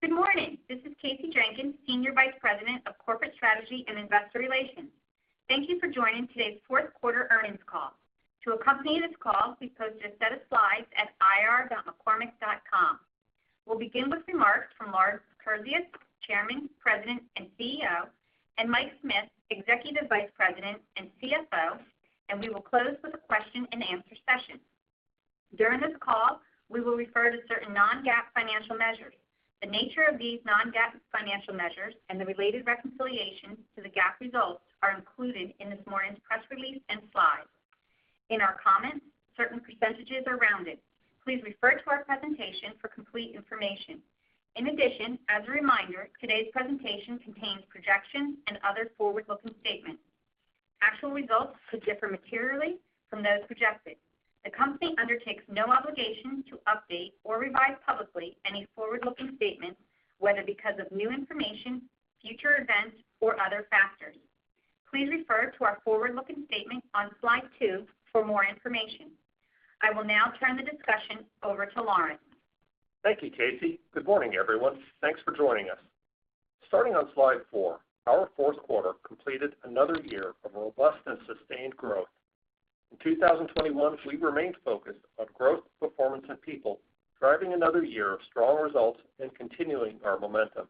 Good morning. This is Kasey Jenkins, Senior Vice President of Corporate Strategy and Investor Relations. Thank you for joining today's Fourth Quarter Earnings Call. To accompany this call, we've posted a set of slides at ir.mccormick.com. We'll begin with remarks from Lawrence Kurzius, Chairman, President, and CEO, and Mike Smith, Executive Vice President and CFO, and we will close with a question-and-answer session. During this call, we will refer to certain non-GAAP financial measures. The nature of these non-GAAP financial measures and the related reconciliations to the GAAP results are included in this morning's press release and slides. In our comments, certain percentages are rounded. Please refer to our presentation for complete information. In addition, as a reminder, today's presentation contains projections and other forward-looking statements. Actual results could differ materially from those projected. The company undertakes no obligation to update or revise publicly any forward-looking statements, whether because of new information, future events, or other factors. Please refer to our forward-looking statements on slide two for more information. I will now turn the discussion over to Lawrence. Thank you, Kasey. Good morning, everyone. Thanks for joining us. Starting on slide four, our fourth quarter completed another year of robust and sustained growth. In 2021, we remained focused on growth, performance, and people, driving another year of strong results and continuing our momentum.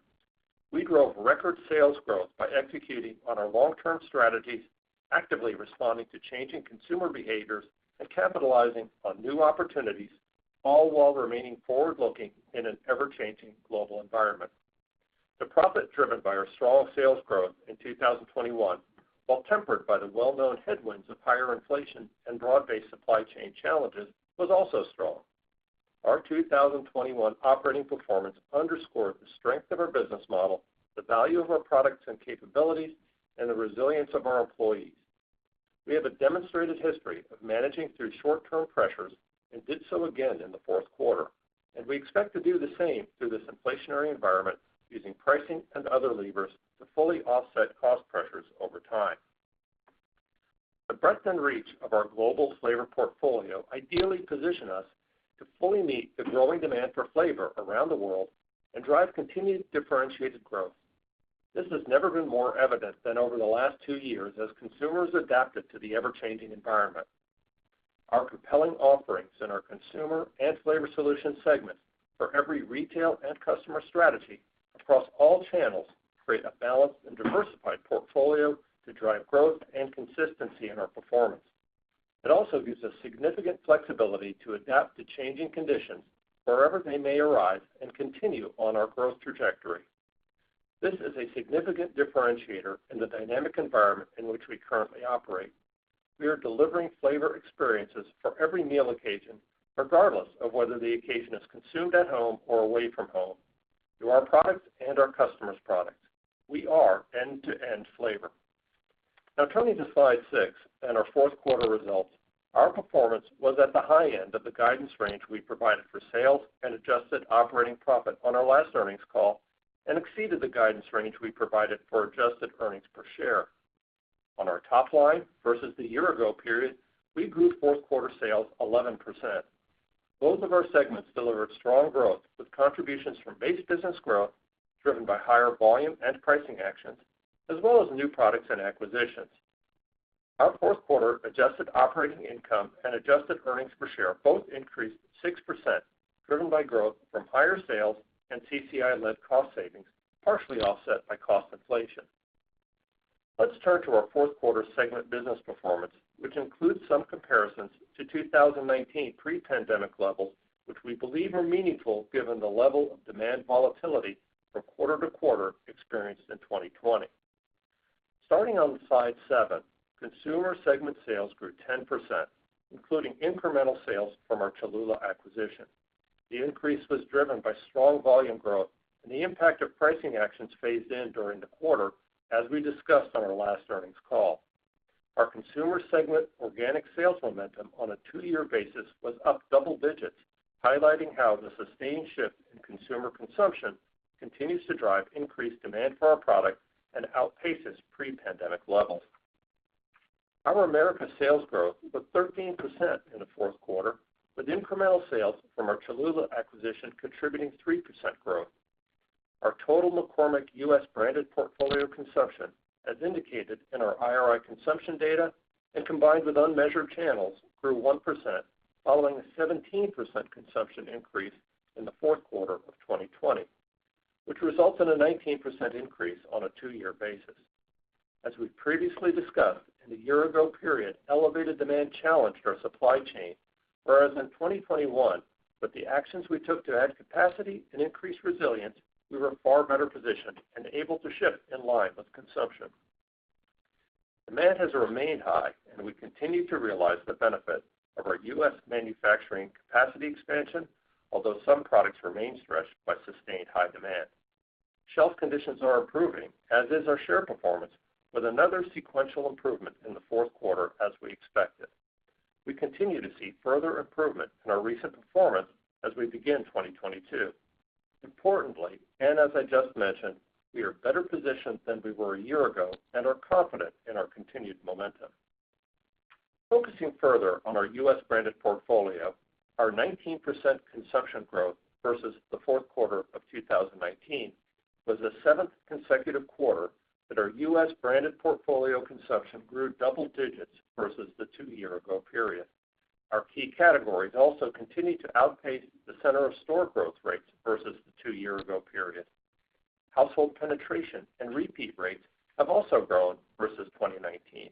We drove record sales growth by executing on our long-term strategies, actively responding to changing consumer behaviors, and capitalizing on new opportunities, all while remaining forward-looking in an ever-changing global environment. The profit driven by our strong sales growth in 2021, while tempered by the well-known headwinds of higher inflation and broad-based supply chain challenges, was also strong. Our 2021 operating performance underscored the strength of our business model, the value of our products and capabilities, and the resilience of our employees. We have a demonstrated history of managing through short-term pressures and did so again in the fourth quarter, and we expect to do the same through this inflationary environment using pricing and other levers to fully offset cost pressures over time. The breadth and reach of our global flavor portfolio ideally position us to fully meet the growing demand for flavor around the world and drive continued differentiated growth. This has never been more evident than over the last two years as consumers adapted to the ever-changing environment. Our compelling offerings in our Consumer and Flavor Solutions segment for every retail and customer strategy across all channels create a balanced and diversified portfolio to drive growth and consistency in our performance. It also gives us significant flexibility to adapt to changing conditions wherever they may arise and continue on our growth trajectory. This is a significant differentiator in the dynamic environment in which we currently operate. We are delivering flavor experiences for every meal occasion, regardless of whether the occasion is consumed at home or away from home, through our products and our customers' products. We are end-to-end flavor. Now turning to slide six and our fourth quarter results, our performance was at the high end of the guidance range we provided for sales and adjusted operating profit on our last earnings call and exceeded the guidance range we provided for adjusted earnings per share. On our top line versus the year ago period, we grew fourth quarter sales 11%. Both of our segments delivered strong growth with contributions from base business growth driven by higher volume and pricing actions, as well as new products and acquisitions. Our fourth quarter adjusted operating income and adjusted earnings per share both increased 6%, driven by growth from higher sales and CCI-led cost savings, partially offset by cost inflation. Let's turn to our fourth quarter segment business performance, which includes some comparisons to 2019 pre-pandemic levels, which we believe are meaningful given the level of demand volatility from quarter-to-quarter experienced in 2020. Starting on slide seven, Consumer segment sales grew 10%, including incremental sales from our Cholula acquisition. The increase was driven by strong volume growth and the impact of pricing actions phased in during the quarter, as we discussed on our last earnings call. Our Consumer segment organic sales momentum on a two-year basis was up double digits, highlighting how the sustained shift in consumer consumption continues to drive increased demand for our product and outpaces pre-pandemic levels. Our Americas sales growth was 13% in the fourth quarter, with incremental sales from our Cholula acquisition contributing 3% growth. Our total McCormick U.S. branded portfolio consumption, as indicated in our IRI consumption data and combined with unmeasured channels, grew 1% following a 17% consumption increase in the fourth quarter of 2020, which results in a 19% increase on a two-year basis. As we've previously discussed, in the year-ago period, elevated demand challenged our supply chain, whereas in 2021, with the actions we took to add capacity and increase resilience, we were far better positioned and able to ship in line with consumption. Demand has remained high, and we continue to realize the benefit of our U.S. manufacturing capacity expansion, although some products remain stretched by sustained high demand. Shelf conditions are improving, as is our share performance, with another sequential improvement in the fourth quarter as we expected. We continue to see further improvement in our recent performance as we begin 2022. Importantly, and as I just mentioned, we are better positioned than we were a year ago and are confident in our continued momentum. Focusing further on our U.S. branded portfolio, our 19% consumption growth versus the fourth quarter of 2019 was the seventh consecutive quarter that our U.S. branded portfolio consumption grew double digits versus the two-year-ago period. Our key categories also continued to outpace the center-of-store growth rates versus the two-year-ago period. Household penetration and repeat rates have also grown versus 2019.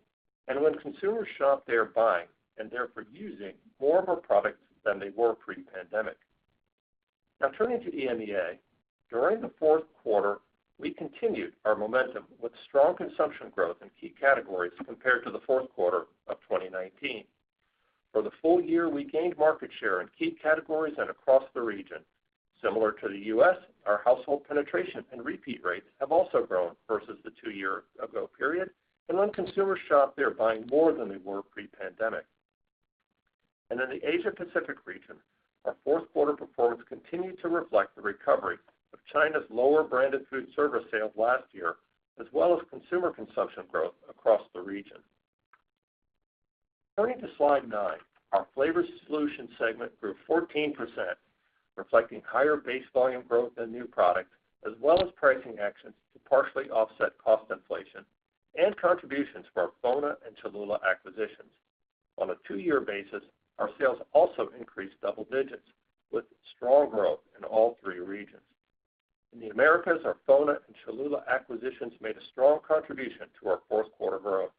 When consumers shop, they are buying and therefore using more of our products than they were pre-pandemic. Now turning to EMEA, during the fourth quarter, we continued our momentum with strong consumption growth in key categories compared to the fourth quarter of 2019. For the full year, we gained market share in key categories and across the region. Similar to the U.S., our household penetration and repeat rates have also grown versus the two-year-ago period. When consumers shop, they are buying more than they were pre-pandemic. In the Asia-Pacific region, our fourth quarter performance continued to reflect the recovery of China's lower branded food service sales last year, as well as consumer consumption growth across the region. Turning to slide nine. Our Flavor Solutions segment grew 14%, reflecting higher base volume growth and new products, as well as pricing actions to partially offset cost inflation and contributions from our FONA and Cholula acquisitions. On a two-year basis, our sales also increased double digits with strong growth in all three regions. In the Americas, our FONA and Cholula acquisitions made a strong contribution to our fourth quarter growth.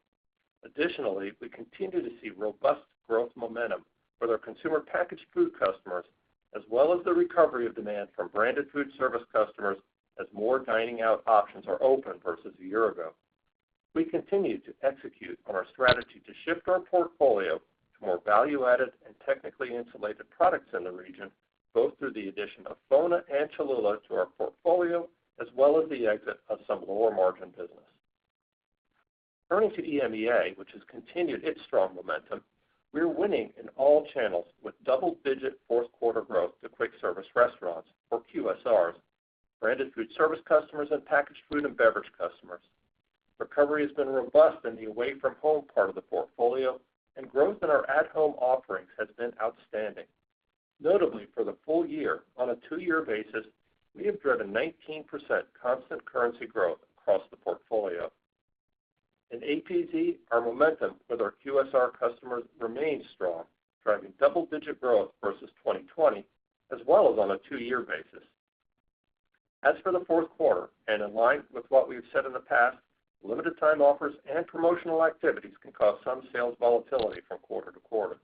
Additionally, we continue to see robust growth momentum with our consumer packaged food customers, as well as the recovery of demand from branded food service customers as more dining out options are open versus a year ago. We continue to execute on our strategy to shift our portfolio to more value-added and technically insulated products in the region, both through the addition of FONA and Cholula to our portfolio, as well as the exit of some lower margin business. Turning to EMEA, which has continued its strong momentum, we're winning in all channels with double-digit fourth quarter growth in quick service restaurants or QSRs, branded food service customers, and packaged food and beverage customers. Recovery has been robust in the away from home part of the portfolio, and growth in our at-home offerings has been outstanding. Notably, for the full year, on a two-year basis, we have driven 19% constant currency growth across the portfolio. In APZ, our momentum with our QSR customers remains strong, driving double-digit growth versus 2020, as well as on a two-year basis. As for the fourth quarter and in line with what we've said in the past, limited time offers and promotional activities can cause some sales volatility from quarter-to-quarter.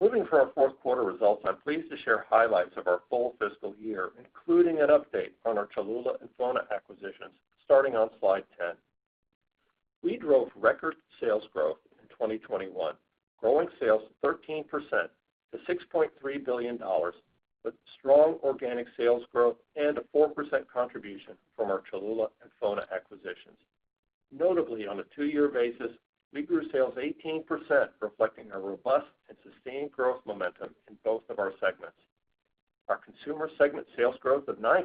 Moving from our fourth quarter results, I'm pleased to share highlights of our full fiscal year, including an update on our Cholula and FONA acquisitions, starting on slide 10. We drove record sales growth in 2021, growing sales 13% to $6.3 billion, with strong organic sales growth and a 4% contribution from our Cholula and FONA acquisitions. Notably, on a two-year basis, we grew sales 18%, reflecting our robust and sustained growth momentum in both of our segments. Our Consumer segment sales growth of 9%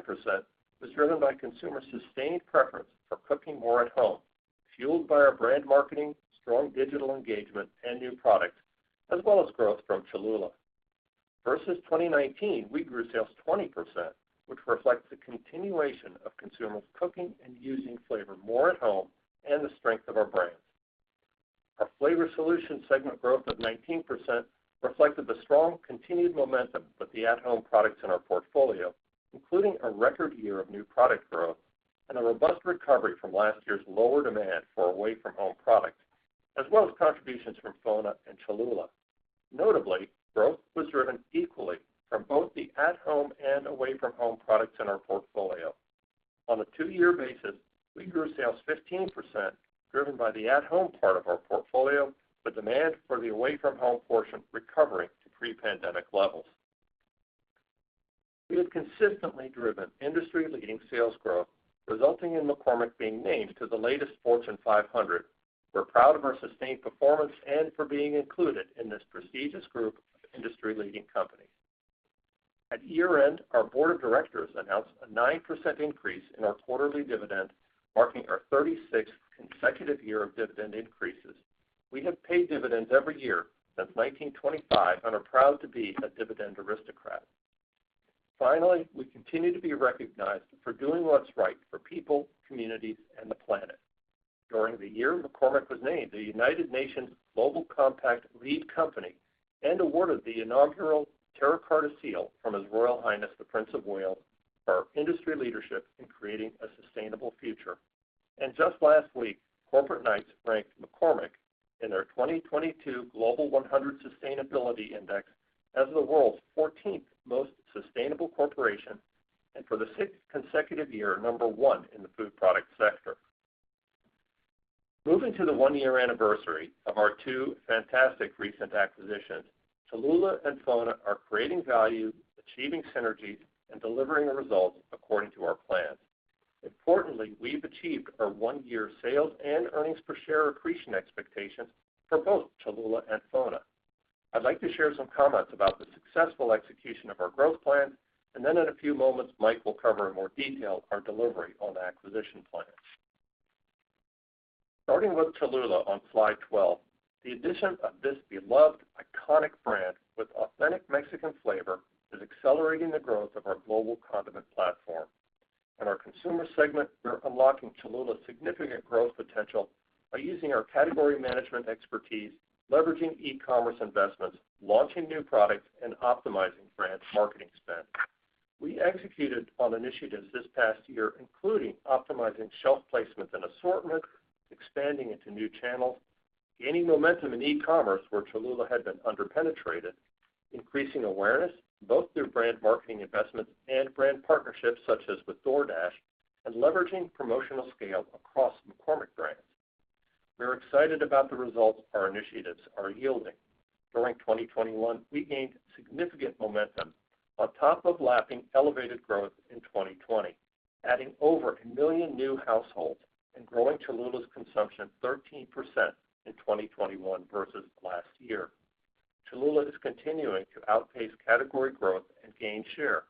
was driven by consumer sustained preference for cooking more at home, fueled by our brand marketing, strong digital engagement, and new products, as well as growth from Cholula. Versus 2019, we grew sales 20%, which reflects the continuation of consumers cooking and using flavor more at home and the strength of our brands. Our Flavor Solution segment growth of 19% reflected the strong continued momentum with the at-home products in our portfolio, including a record year of new product growth and a robust recovery from last year's lower demand for away from home products, as well as contributions from FONA and Cholula. Notably, growth was driven equally from both the at-home and away from home products in our portfolio. On a two-year basis, we grew sales 15% driven by the at-home part of our portfolio, with demand for the away from home portion recovering to pre-pandemic levels. We have consistently driven industry-leading sales growth, resulting in McCormick being named to the latest Fortune 500. We're proud of our sustained performance and for being included in this prestigious group of industry-leading companies. At year-end, our Board of Directors announced a 9% increase in our quarterly dividend, marking our 36th consecutive year of dividend increases. We have paid dividends every year since 1925 and are proud to be a dividend aristocrat. Finally, we continue to be recognized for doing what's right for people, communities, and the planet. During the year, McCormick was named the United Nations Global Compact Lead Company and awarded the inaugural Terra Carta Seal from His Royal Highness, the Prince of Wales, for our industry leadership in creating a sustainable future. Just last week, Corporate Knights ranked McCormick in their 2022 Global 100 Sustainability Index as the world's 14th most sustainable corporation and for the sixth consecutive year, number one in the food product sector. Moving to the one-year anniversary of our two fantastic recent acquisitions, Cholula and FONA are creating value, achieving synergies, and delivering the results according to our plan. Importantly, we've achieved our one-year sales and earnings per share accretion expectations for both Cholula and FONA. I'd like to share some comments about the successful execution of our growth plan, and then in a few moments, Mike will cover in more detail our delivery on the acquisition plan. Starting with Cholula on slide 12, the addition of this beloved iconic brand with authentic Mexican flavor is accelerating the growth of our global condiment platform. In our Consumer segment, we're unlocking Cholula's significant growth potential by using our category management expertise, leveraging e-commerce investments, launching new products, and optimizing brand marketing spend. We executed on initiatives this past year, including optimizing shelf placement and assortment, expanding into new channels, gaining momentum in e-commerce, where Cholula had been under-penetrated, increasing awareness, both through brand marketing investments and brand partnerships such as with DoorDash, and leveraging promotional scale across McCormick brands. We're excited about the results our initiatives are yielding. During 2021, we gained significant momentum on top of lapping elevated growth in 2020, adding over 1 million new households and growing Cholula's consumption 13% in 2021 versus last year. Cholula is continuing to outpace category growth and gain share.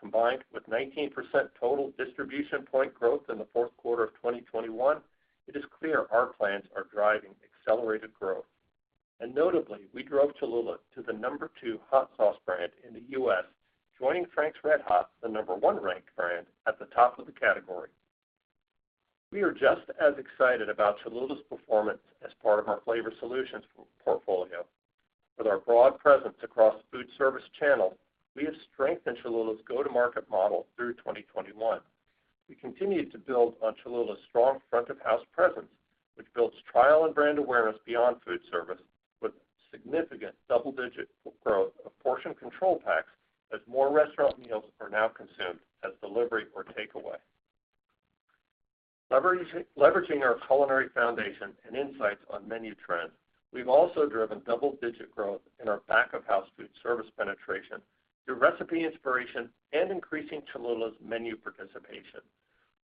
Combined with 19% total distribution point growth in the fourth quarter of 2021, it is clear our plans are driving accelerated growth. Notably, we drove Cholula to the number two hot sauce brand in the U.S., joining Frank's RedHot, the number one ranked brand, at the top of the category. We are just as excited about Cholula's performance as part of our flavor solutions portfolio. With our broad presence across food service channels, we have strengthened Cholula's go-to-market model through 2021. We continued to build on Cholula's strong front-of-house presence, which builds trial and brand awareness beyond food service with significant double-digit growth of portion control packs as more restaurant meals are now consumed as delivery or takeaway. Leveraging our culinary foundation and insights on menu trends, we've also driven double-digit growth in our back-of-house food service penetration through recipe inspiration and increasing Cholula's menu participation.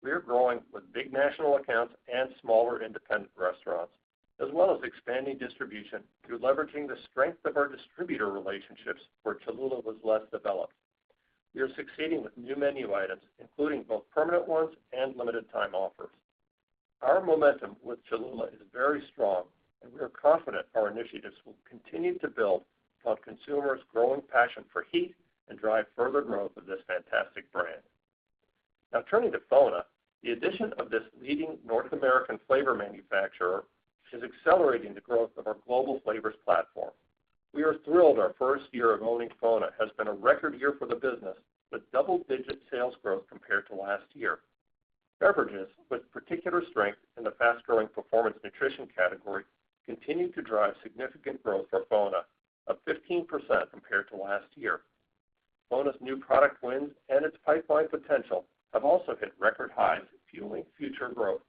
We're growing with big national accounts and smaller independent restaurants, as well as expanding distribution through leveraging the strength of our distributor relationships where Cholula was less developed. We are succeeding with new menu items, including both permanent ones and limited time offers. Our momentum with Cholula is very strong, and we are confident our initiatives will continue to build off consumers' growing passion for heat and drive further growth of this fantastic brand. Now turning to FONA, the addition of this leading North American flavor manufacturer is accelerating the growth of our global flavors platform. We are thrilled our first year of owning FONA has been a record year for the business, with double-digit sales growth compared to last year. Beverages, with particular strength in the fast-growing performance nutrition category, continued to drive significant growth for FONA of 15% compared to last year. FONA's new product wins and its pipeline potential have also hit record highs, fueling future growth.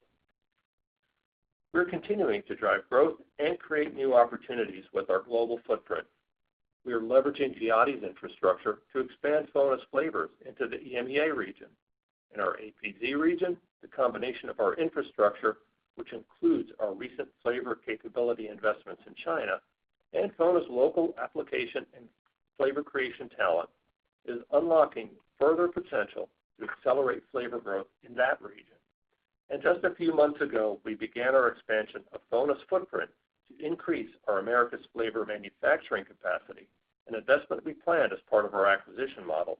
We're continuing to drive growth and create new opportunities with our global footprint. We are leveraging Giotti's infrastructure to expand FONA's flavors into the EMEA region. In our APZ region, the combination of our infrastructure, which includes our recent flavor capability investments in China, and FONA's local application and flavor creation talent, is unlocking further potential to accelerate flavor growth in that region. Just a few months ago, we began our expansion of FONA's footprint to increase our Americas flavor manufacturing capacity, an investment we planned as part of our acquisition model,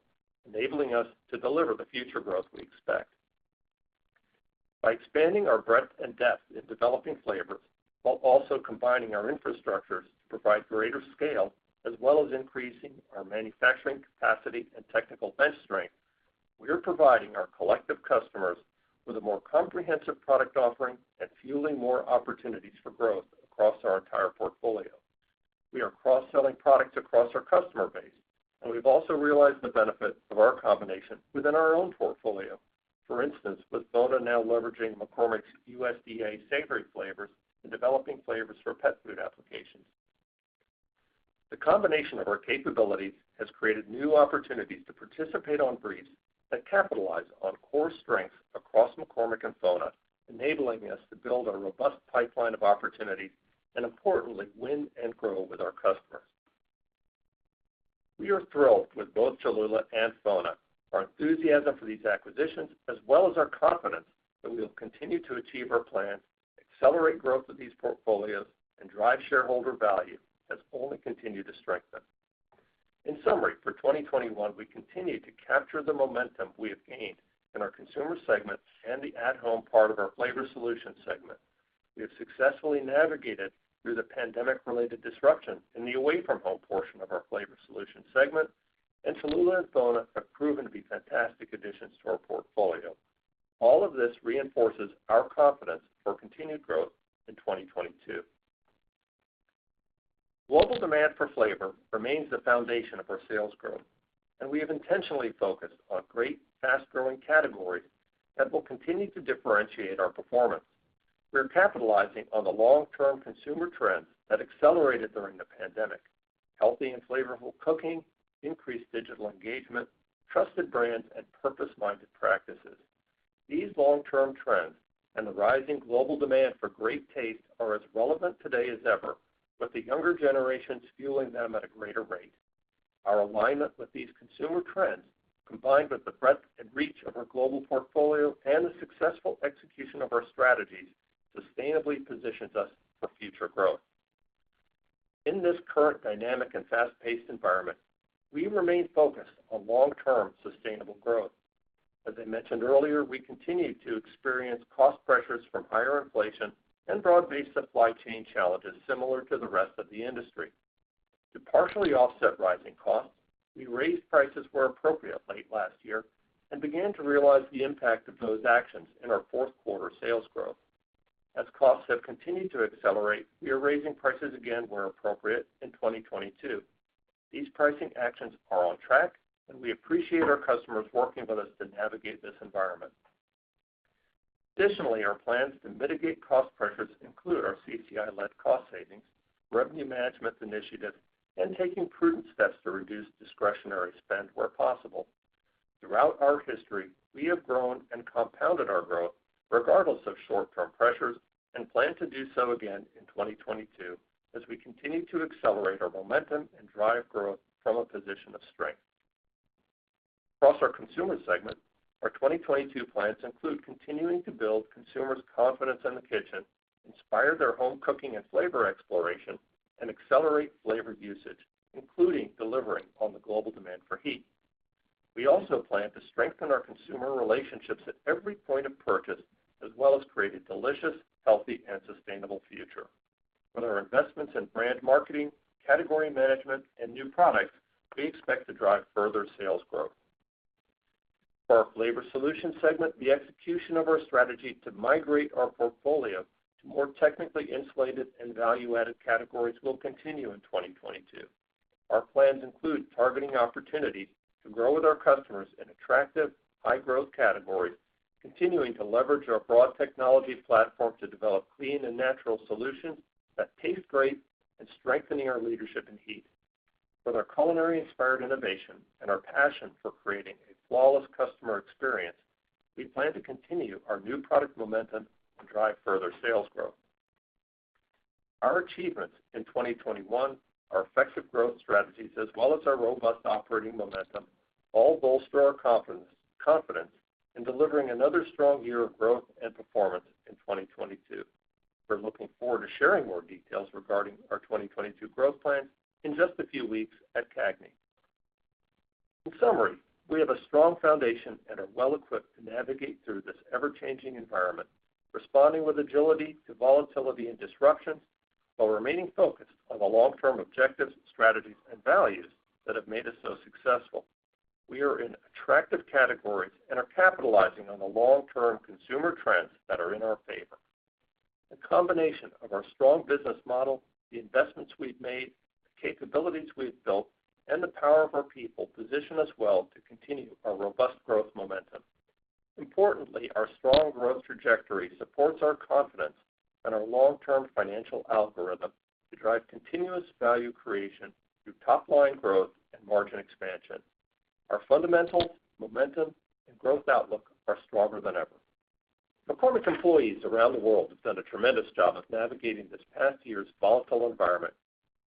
enabling us to deliver the future growth we expect. By expanding our breadth and depth in developing flavors while also combining our infrastructures to provide greater scale, as well as increasing our manufacturing capacity and technical bench strength, we are providing our collective customers with a more comprehensive product offering and fueling more opportunities for growth across our entire portfolio. We are cross-selling products across our customer base, and we've also realized the benefit of our combination within our own portfolio. For instance, with FONA now leveraging McCormick's USDA savory flavors and developing flavors for pet food applications, the combination of our capabilities has created new opportunities to participate on briefs that capitalize on core strengths across McCormick and FONA, enabling us to build a robust pipeline of opportunities and importantly, win and grow with our customers. We are thrilled with both Cholula and FONA. Our enthusiasm for these acquisitions, as well as our confidence that we will continue to achieve our plans, accelerate growth of these portfolios, and drive shareholder value, has only continued to strengthen. In summary, for 2021, we continued to capture the momentum we have gained in our Consumer segment and the at-home part of our Flavor Solutions segment. We have successfully navigated through the pandemic-related disruption in the away-from-home portion of our Flavor Solutions segment, and Cholula and FONA have proven to be fantastic additions to our portfolio. All of this reinforces our confidence for continued growth in 2022. Global demand for flavor remains the foundation of our sales growth, and we have intentionally focused on great, fast-growing categories that will continue to differentiate our performance. We're capitalizing on the long-term consumer trends that accelerated during the pandemic, healthy and flavorful cooking, increased digital engagement, trusted brands, and purpose-minded practices. These long-term trends and the rising global demand for great taste are as relevant today as ever, with the younger generations fueling them at a greater rate. Our alignment with these consumer trends, combined with the breadth and reach of our global portfolio and the successful execution of our strategies, sustainably positions us for future growth. In this current dynamic and fast-paced environment, we remain focused on long-term sustainable growth. As I mentioned earlier, we continue to experience cost pressures from higher inflation and broad-based supply chain challenges similar to the rest of the industry. To partially offset rising costs, we raised prices where appropriate late last year and began to realize the impact of those actions in our fourth quarter sales growth. As costs have continued to accelerate, we are raising prices again where appropriate in 2022. These pricing actions are on track, and we appreciate our customers working with us to navigate this environment. Additionally, our plans to mitigate cost pressures include our CCI-led cost savings, revenue management initiatives, and taking prudent steps to reduce discretionary spend where possible. Throughout our history, we have grown and compounded our growth regardless of short-term pressures and plan to do so again in 2022 as we continue to accelerate our momentum and drive growth from a position of strength. Across our Consumer segment, our 2022 plans include continuing to build consumers' confidence in the kitchen, inspire their home cooking and flavor exploration, and accelerate flavor usage, including delivering on the global demand for heat. We also plan to strengthen our consumer relationships at every point of purchase, as well as create a delicious, healthy and sustainable future. With our investments in brand marketing, category management, and new products, we expect to drive further sales growth. For our Flavor Solutions segment, the execution of our strategy to migrate our portfolio to more technically insulated and value-added categories will continue in 2022. Our plans include targeting opportunities to grow with our customers in attractive, high-growth categories, continuing to leverage our broad technology platform to develop clean and natural solutions that taste great, and strengthening our leadership in heat. With our culinary-inspired innovation and our passion for creating a flawless customer experience, we plan to continue our new product momentum and drive further sales growth. Our achievements in 2021, our effective growth strategies, as well as our robust operating momentum, all bolster our confidence in delivering another strong year of growth and performance in 2022. We're looking forward to sharing more details regarding our 2022 growth plans in just a few weeks at CAGNY. In summary, we have a strong foundation and are well-equipped to navigate through this ever-changing environment, responding with agility to volatility and disruptions while remaining focused on the long-term objectives, strategies, and values that have made us so successful. We are in attractive categories and are capitalizing on the long-term consumer trends that are in our favor. The combination of our strong business model, the investments we've made, the capabilities we've built, and the power of our people position us well to continue our robust growth momentum. Importantly, our strong growth trajectory supports our confidence in our long-term financial algorithm to drive continuous value creation through top-line growth and margin expansion. Our fundamentals, momentum, and growth outlook are stronger than ever. McCormick employees around the world have done a tremendous job of navigating this past year's volatile environment.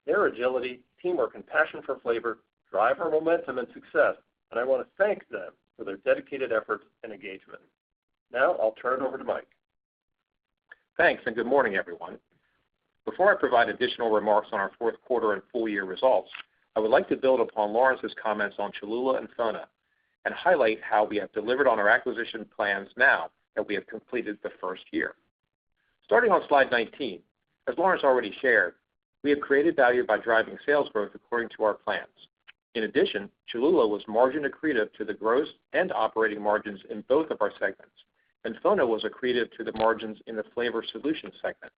Their agility, teamwork, and passion for flavor drive our momentum and success, and I want to thank them for their dedicated efforts and engagement. Now, I'll turn it over to Mike. Thanks, and good morning, everyone. Before I provide additional remarks on our fourth quarter and full-year results, I would like to build upon Lawrence's comments on Cholula and FONA and highlight how we have delivered on our acquisition plans now that we have completed the first year. Starting on slide 19, as Lawrence already shared, we have created value by driving sales growth according to our plans. In addition, Cholula was margin accretive to the gross and operating margins in both of our segments, and FONA was accretive to the margins in the Flavor Solutions segment.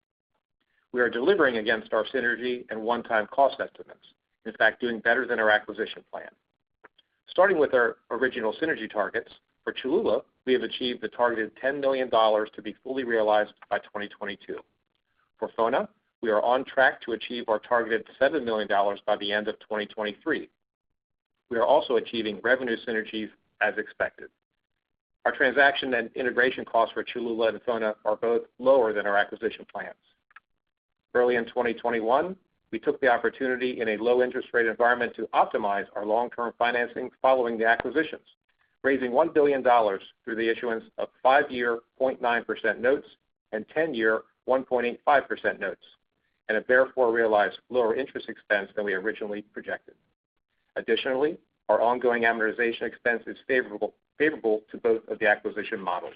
We are delivering against our synergy and one-time cost estimates, in fact, doing better than our acquisition plan. Starting with our original synergy targets, for Cholula, we have achieved the targeted $10 million to be fully realized by 2022. For FONA, we are on track to achieve our targeted $7 million by the end of 2023. We are also achieving revenue synergies as expected. Our transaction and integration costs for Cholula and FONA are both lower than our acquisition plans. Early in 2021, we took the opportunity in a low interest rate environment to optimize our long-term financing following the acquisitions, raising $1 billion through the issuance of five-year 0.9% notes and 10-year 1.85% notes, and have therefore realized lower interest expense than we originally projected. Additionally, our ongoing amortization expense is favorable to both of the acquisition models.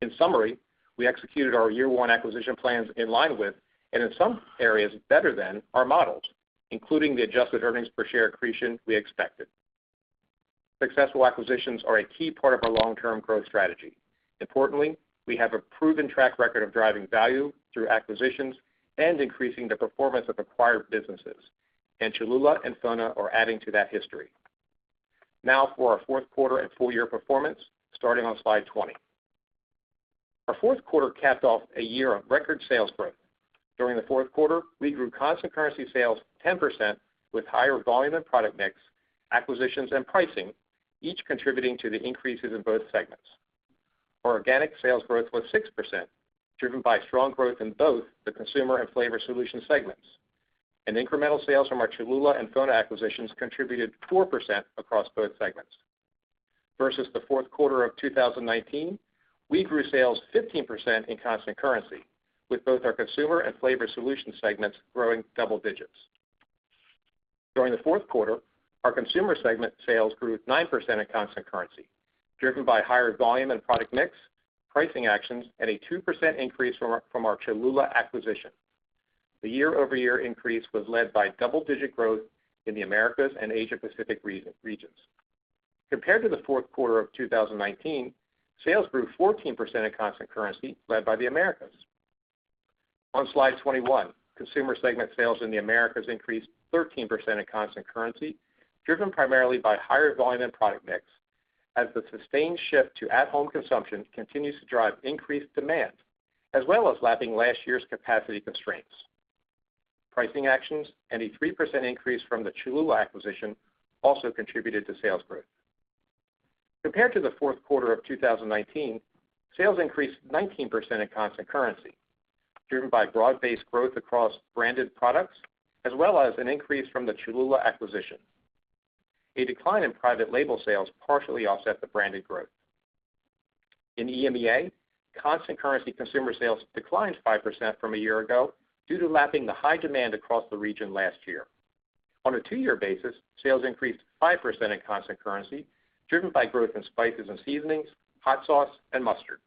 In summary, we executed our year-one acquisition plans in line with, and in some areas, better than our models, including the adjusted earnings per share accretion we expected. Successful acquisitions are a key part of our long-term growth strategy. Importantly, we have a proven track record of driving value through acquisitions and increasing the performance of acquired businesses, and Cholula and FONA are adding to that history. Now for our fourth quarter and full-year performance, starting on slide 20. Our fourth quarter capped off a year of record sales growth. During the fourth quarter, we grew constant currency sales 10% with higher volume and product mix, acquisitions and pricing, each contributing to the increases in both segments. Our organic sales growth was 6%, driven by strong growth in both the Consumer and Flavor Solutions segments. Incremental sales from our Cholula and FONA acquisitions contributed 4% across both segments. Versus the fourth quarter of 2019, we grew sales 15% in constant currency, with both our Consumer and Flavor Solutions segments growing double digits. During the fourth quarter, our Consumer segment sales grew 9% in constant currency, driven by higher volume and product mix, pricing actions, and a 2% increase from our Cholula acquisition. The year-over-year increase was led by double-digit growth in the Americas and Asia Pacific regions. Compared to the fourth quarter of 2019, sales grew 14% in constant currency, led by the Americas. On Slide 21, Consumer segment sales in the Americas increased 13% in constant currency, driven primarily by higher volume and product mix, as the sustained shift to at-home consumption continues to drive increased demand, as well as lapping last year's capacity constraints. Pricing actions and a 3% increase from the Cholula acquisition also contributed to sales growth. Compared to the fourth quarter of 2019, sales increased 19% in constant currency, driven by broad-based growth across branded products as well as an increase from the Cholula acquisition. A decline in private label sales partially offset the branded growth. In EMEA, constant currency consumer sales declined 5% from a year ago due to lapping the high demand across the region last year. On a two-year basis, sales increased 5% in constant currency, driven by growth in spices and seasonings, hot sauce and mustard.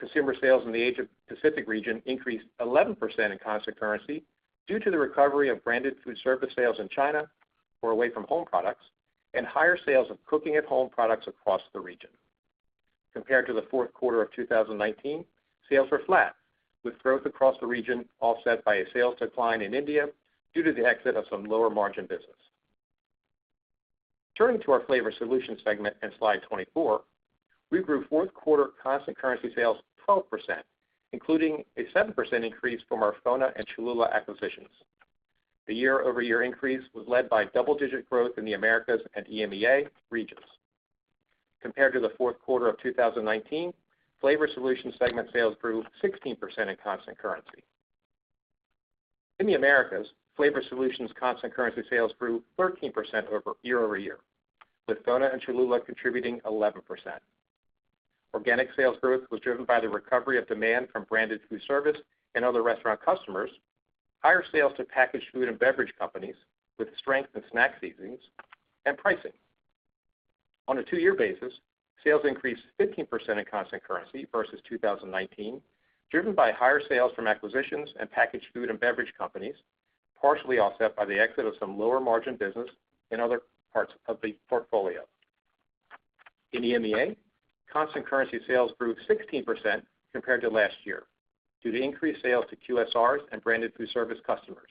Consumer sales in the Asia Pacific region increased 11% in constant currency due to the recovery of branded food service sales in China or away-from-home products and higher sales of cooking-at-home products across the region. Compared to the fourth quarter of 2019, sales were flat, with growth across the region offset by a sales decline in India due to the exit of some lower margin business. Turning to our Flavor Solutions segment in Slide 24, we grew fourth quarter constant currency sales 12%, including a 7% increase from our FONA and Cholula acquisitions. The year-over-year increase was led by double-digit growth in the Americas and EMEA regions. Compared to the fourth quarter of 2019, Flavor Solutions segment sales grew 16% in constant currency. In the Americas, Flavor Solutions constant currency sales grew 13% year-over-year, with FONA and Cholula contributing 11%. Organic sales growth was driven by the recovery of demand from branded food service and other restaurant customers, higher sales to packaged food and beverage companies with strength in snack seasonings and pricing. On a two-year basis, sales increased 15% in constant currency versus 2019, driven by higher sales from acquisitions and packaged food and beverage companies, partially offset by the exit of some lower margin business in other parts of the portfolio. In EMEA, constant currency sales grew 16% compared to last year due to increased sales to QSRs and branded food service customers,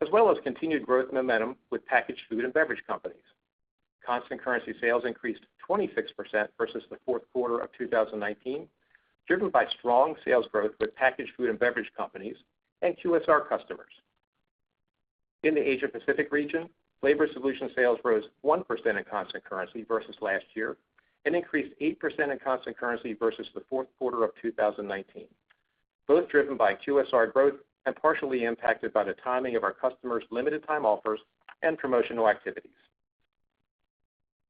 as well as continued growth momentum with packaged food and beverage companies. Constant currency sales increased 26% versus the fourth quarter of 2019, driven by strong sales growth with packaged food and beverage companies and QSR customers. In the Asia-Pacific region, Flavor Solutions sales rose 1% in constant currency versus last year and increased 8% in constant currency versus the fourth quarter of 2019, both driven by QSR growth and partially impacted by the timing of our customers' limited time offers and promotional activities.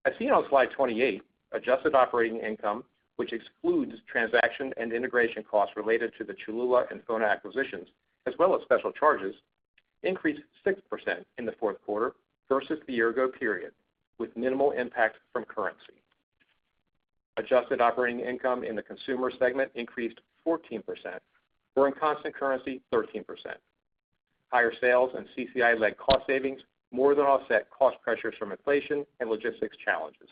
As seen on slide 28, adjusted operating income, which excludes transaction and integration costs related to the Cholula and FONA acquisitions, as well as special charges, increased 6% in the fourth quarter versus the year ago period, with minimal impact from currency. Adjusted operating income in the Consumer segment increased 14%, or in constant currency, 13%. Higher sales and CCI-led cost savings more than offset cost pressures from inflation and logistics challenges.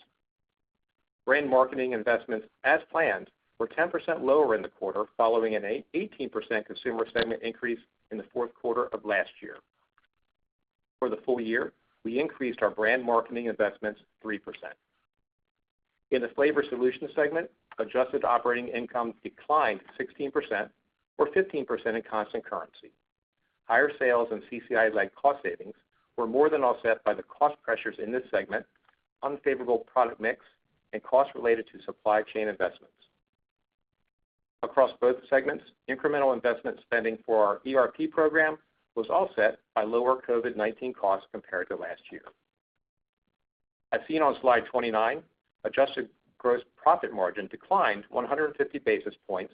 Brand marketing investments, as planned, were 10% lower in the quarter, following an 18% Consumer segment increase in the fourth quarter of last year. For the full year, we increased our brand marketing investments 3%. In the Flavor Solutions segment, adjusted operating income declined 16% or 15% in constant currency. Higher sales and CCI-led cost savings were more than offset by the cost pressures in this segment, unfavorable product mix, and costs related to supply chain investments. Across both segments, incremental investment spending for our ERP program was offset by lower COVID-19 costs compared to last year. As seen on slide 29, adjusted gross profit margin declined 150 basis points,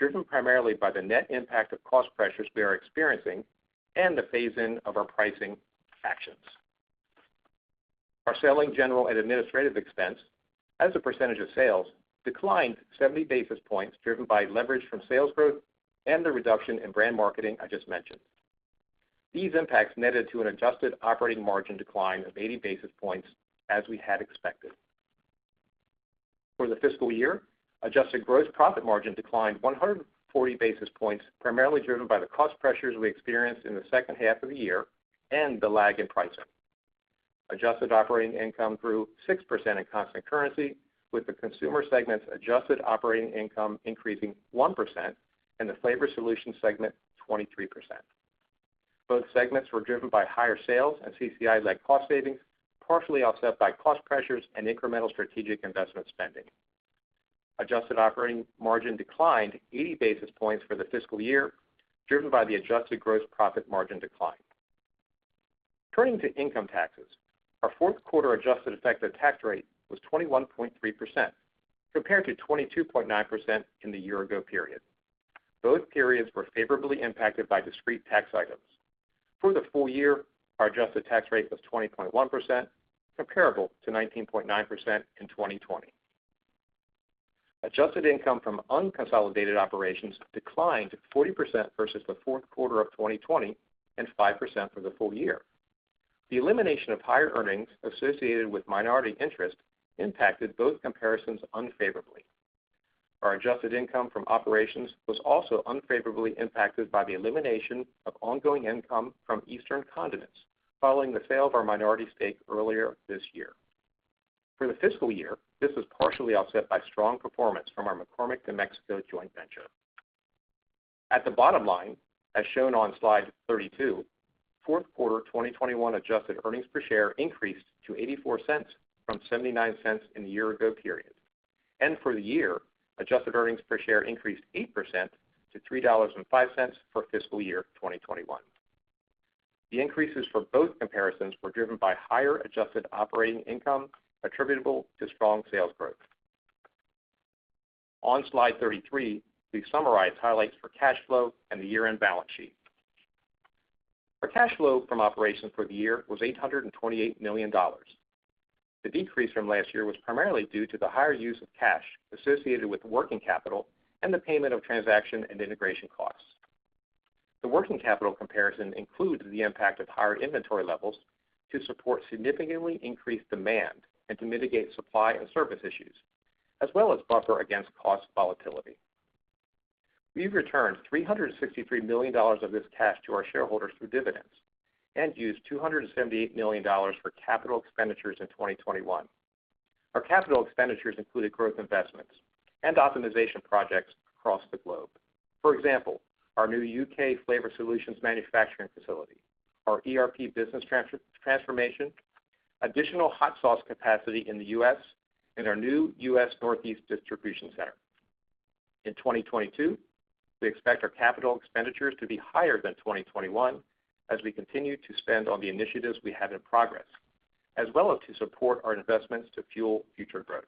driven primarily by the net impact of cost pressures we are experiencing and the phase in of our pricing actions. Our selling, general, and administrative expense as a percentage of sales declined 70 basis points, driven by leverage from sales growth and the reduction in brand marketing I just mentioned. These impacts netted to an adjusted operating margin decline of 80 basis points as we had expected. For the fiscal year, adjusted gross profit margin declined 140 basis points, primarily driven by the cost pressures we experienced in the second half of the year and the lag in pricing. Adjusted operating income grew 6% in constant currency, with the Consumer segment's adjusted operating income increasing 1% and the Flavor Solutions segment 23%. Both segments were driven by higher sales and CCI-led cost savings, partially offset by cost pressures and incremental strategic investment spending. Adjusted operating margin declined 80 basis points for the fiscal year, driven by the adjusted gross profit margin decline. Turning to income taxes, our fourth quarter adjusted effective tax rate was 21.3%, compared to 22.9% in the year ago period. Both periods were favorably impacted by discrete tax items. For the full year, our adjusted tax rate was 20.1%, comparable to 19.9% in 2020. Adjusted income from unconsolidated operations declined 40% versus the fourth quarter of 2020 and 5% for the full year. The elimination of higher earnings associated with minority interest impacted both comparisons unfavorably. Our adjusted income from operations was also unfavorably impacted by the elimination of ongoing income from Eastern Continent following the sale of our minority stake earlier this year. For the fiscal year, this was partially offset by strong performance from our McCormick de Mexico joint venture. At the bottom line, as shown on slide 32, fourth quarter 2021 adjusted earnings per share increased to $0.84 from $0.79 in the year-ago period. For the year, adjusted earnings per share increased 8% to $3.05 for fiscal year 2021. The increases for both comparisons were driven by higher adjusted operating income attributable to strong sales growth. On slide 33, we summarize highlights for cash flow and the year-end balance sheet. Our cash flow from operations for the year was $828 million. The decrease from last year was primarily due to the higher use of cash associated with working capital and the payment of transaction and integration costs. The working capital comparison includes the impact of higher inventory levels to support significantly increased demand and to mitigate supply and service issues, as well as buffer against cost volatility. We've returned $363 million of this cash to our shareholders through dividends and used $278 million for capital expenditures in 2021. Our capital expenditures included growth investments and optimization projects across the globe. For example, our new U.K. Flavor Solutions manufacturing facility, our ERP business transformation, additional hot sauce capacity in the U.S., and our new U.S. Northeast distribution center. In 2022, we expect our capital expenditures to be higher than 2021 as we continue to spend on the initiatives we have in progress, as well as to support our investments to fuel future growth.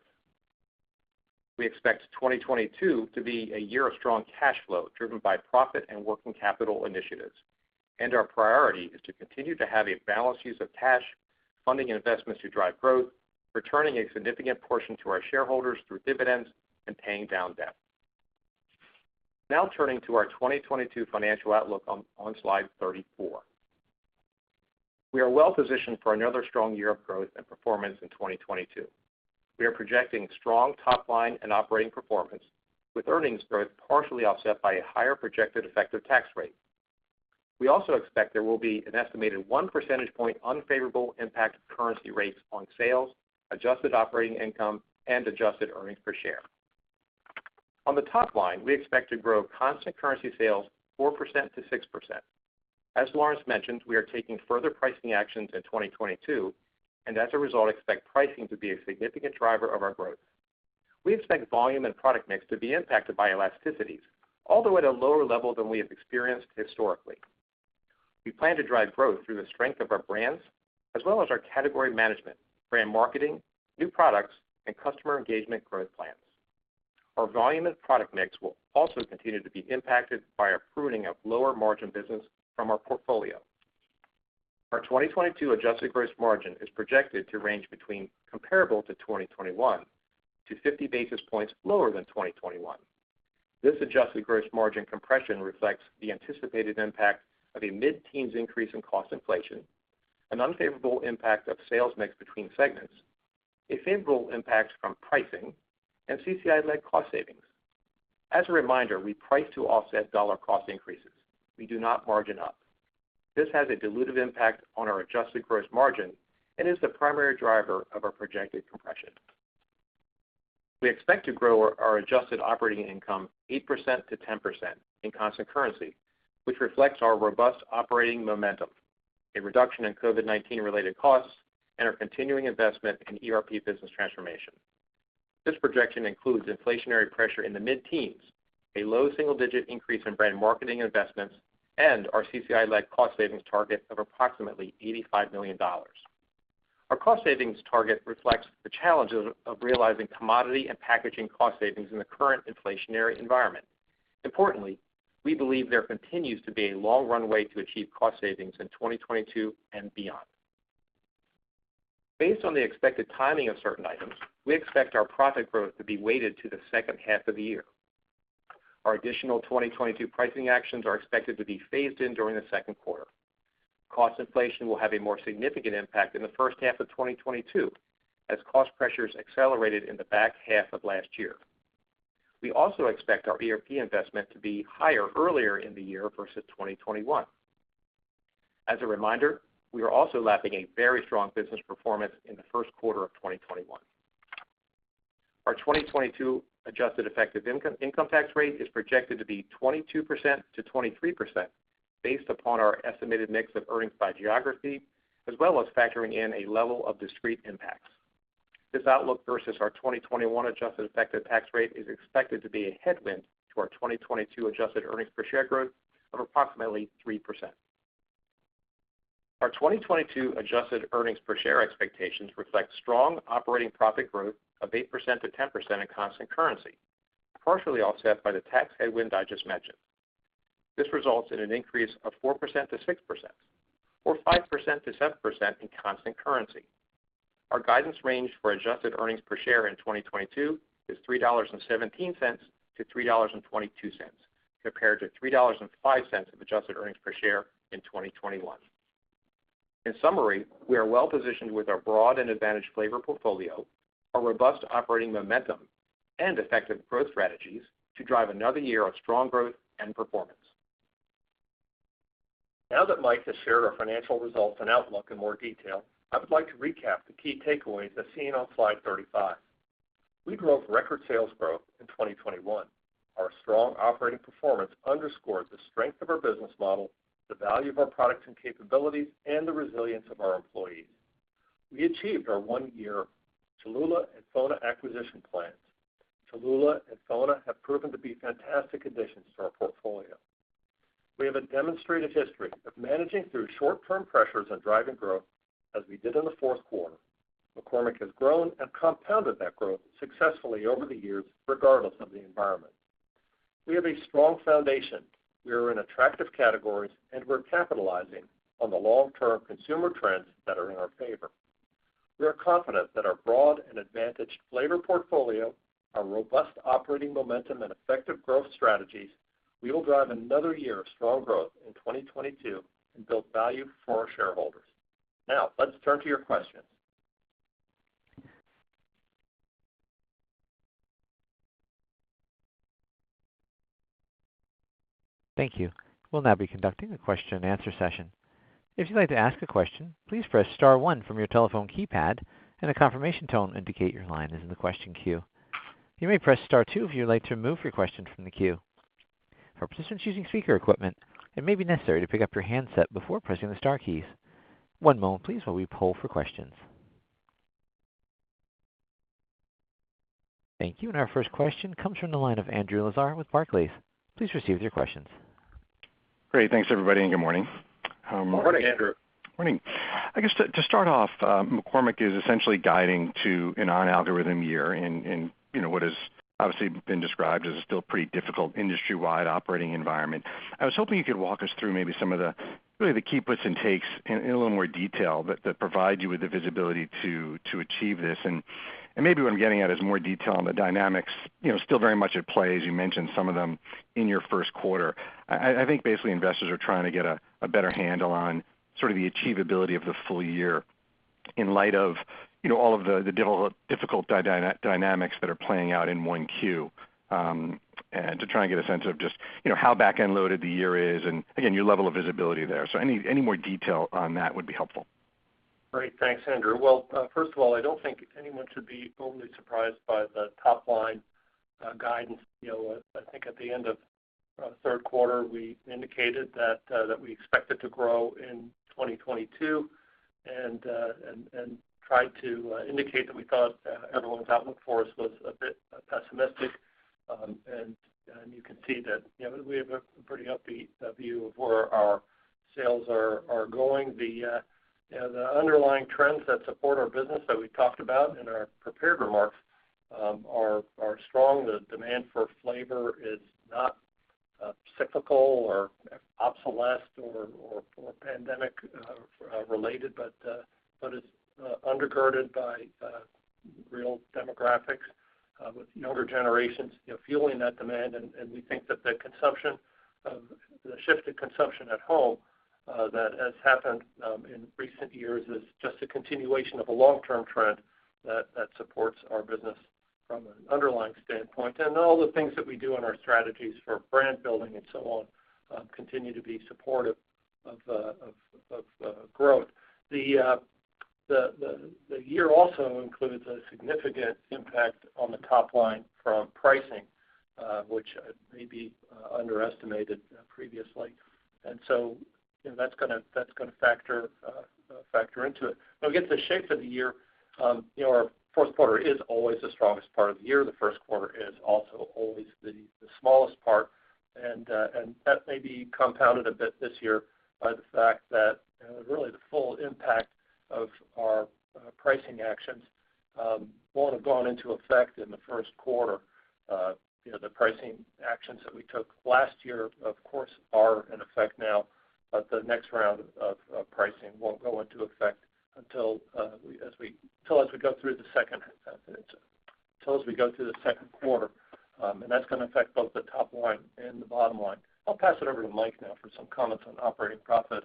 We expect 2022 to be a year of strong cash flow driven by profit and working capital initiatives and our priority is to continue to have a balanced use of cash, funding investments to drive growth, returning a significant portion to our shareholders through dividends, and paying down debt. Now turning to our 2022 financial outlook on slide 34. We are well positioned for another strong year of growth and performance in 2022. We are projecting strong top line and operating performance with earnings growth partially offset by a higher projected effective tax rate. We also expect there will be an estimated 1 percentage point unfavorable impact of currency rates on sales, adjusted operating income, and adjusted earnings per share. On the top line, we expect to grow constant currency sales 4%-6%. As Lawrence mentioned, we are taking further pricing actions in 2022, and as a result, expect pricing to be a significant driver of our growth. We expect volume and product mix to be impacted by elasticities, although at a lower level than we have experienced historically. We plan to drive growth through the strength of our brands as well as our category management, brand marketing, new products, and customer engagement growth plans. Our volume and product mix will also continue to be impacted by our pruning of lower margin business from our portfolio. Our 2022 adjusted gross margin is projected to range between comparable to 2021 to 50 basis points lower than 2021. This adjusted gross margin compression reflects the anticipated impact of a mid-teens increase in cost inflation, an unfavorable impact of sales mix between segments, a favorable impact from pricing, and CCI-led cost savings. As a reminder, we price to offset dollar cost increases. We do not margin up. This has a dilutive impact on our adjusted gross margin and is the primary driver of our projected compression. We expect to grow our adjusted operating income 8%-10% in constant currency, which reflects our robust operating momentum, a reduction in COVID-19 related costs, and our continuing investment in ERP business transformation. This projection includes inflationary pressure in the mid-teens, a low single-digit increase in brand marketing investments, and our CCI-led cost savings target of approximately $85 million. Our cost savings target reflects the challenges of realizing commodity and packaging cost savings in the current inflationary environment. Importantly, we believe there continues to be a long runway to achieve cost savings in 2022 and beyond. Based on the expected timing of certain items, we expect our profit growth to be weighted to the second half of the year. Our additional 2022 pricing actions are expected to be phased in during the second quarter. Cost inflation will have a more significant impact in the first half of 2022 as cost pressures accelerated in the back half of last year. We also expect our ERP investment to be higher earlier in the year versus 2021. As a reminder, we are also lapping a very strong business performance in the first quarter of 2021. Our 2022 adjusted effective income tax rate is projected to be 22%-23% based upon our estimated mix of earnings by geography, as well as factoring in a level of discrete impacts. This outlook versus our 2021 adjusted effective tax rate is expected to be a headwind to our 2022 adjusted earnings per share growth of approximately 3%. Our 2022 adjusted earnings per share expectations reflect strong operating profit growth of 8%-10% in constant currency, partially offset by the tax headwind I just mentioned. This results in an increase of 4%-6% or 5%-7% in constant currency. Our guidance range for adjusted earnings per share in 2022 is $3.17-$3.22, compared to $3.05 of adjusted earnings per share in 2021. In summary, we are well positioned with our broad and advantaged flavor portfolio, our robust operating momentum and effective growth strategies to drive another year of strong growth and performance. Now that Mike has shared our financial results and outlook in more detail, I would like to recap the key takeaways as seen on slide 35. We drove record sales growth in 2021. Our strong operating performance underscored the strength of our business model, the value of our products and capabilities, and the resilience of our employees. We achieved our one-year Cholula and FONA acquisition plans. Cholula and FONA have proven to be fantastic additions to our portfolio. We have a demonstrated history of managing through short term pressures and driving growth as we did in the fourth quarter. McCormick has grown and compounded that growth successfully over the years, regardless of the environment. We have a strong foundation. We are in attractive categories, and we're capitalizing on the long-term consumer trends that are in our favor. We are confident that our broad and advantaged flavor portfolio, our robust operating momentum and effective growth strategies will drive another year of strong growth in 2022 and build value for our shareholders. Now, let's turn to your questions. Thank you. We'll now be conducting a question-and-answer session. If you'd like to ask a question, please press star one from your telephone keypad and a confirmation tone indicate your line is in the question queue. You may press star two if you'd like to remove your question from the queue. For participants using speaker equipment, it may be necessary to pick up your handset before pressing the star keys. One moment please while we poll for questions. Thank you. Our first question comes from the line of Andrew Lazar with Barclays. Please proceed with your questions. Great. Thanks, everybody, and good morning. Morning, Andrew. Morning. I guess to start off, McCormick is essentially guiding to an on-algorithm year in, you know, what has obviously been described as a still pretty difficult industry-wide operating environment. I was hoping you could walk us through maybe some of the really the key gives and takes in a little more detail that provide you with the visibility to achieve this. Maybe what I'm getting at is more detail on the dynamics, you know, still very much at play, as you mentioned some of them in your first quarter. I think basically investors are trying to get a better handle on sort of the achievability of the full year in light of, you know, all of the difficult dynamics that are playing out in 1Q, and to try and get a sense of just, you know, how back-end loaded the year is and again, your level of visibility there. Any more detail on that would be helpful. Great. Thanks, Andrew. Well, first of all, I don't think anyone should be overly surprised by the top line guidance. You know, I think at the end of third quarter, we indicated that we expected to grow in 2022 and tried to indicate that we thought everyone's outlook for us was a bit pessimistic. And you can see that, you know, we have a pretty upbeat view of where our sales are going. You know, the underlying trends that support our business that we talked about in our prepared remarks are strong. The demand for flavor is not cyclical or obsolete or pandemic related, but it's undergirded by real demographics with younger generations, you know, fueling that demand. We think that the shift in consumption at home that has happened in recent years is just a continuation of a long-term trend that supports our business from an underlying standpoint. All the things that we do in our strategies for brand building and so on continue to be supportive of growth. The year also includes a significant impact on the top line from pricing, which may be underestimated previously. You know, that's gonna factor into it. Again, the shape of the year, you know, our fourth quarter is always the strongest part of the year. The first quarter is also always the smallest part. That may be compounded a bit this year by the fact that, you know, really the full impact of our pricing actions won't have gone into effect in the first quarter. You know, the pricing actions that we took last year, of course, are in effect now, but the next round of pricing won't go into effect until as we go through the second quarter. That's gonna affect both the top line and the bottom line. I'll pass it over to Mike now for some comments on operating profit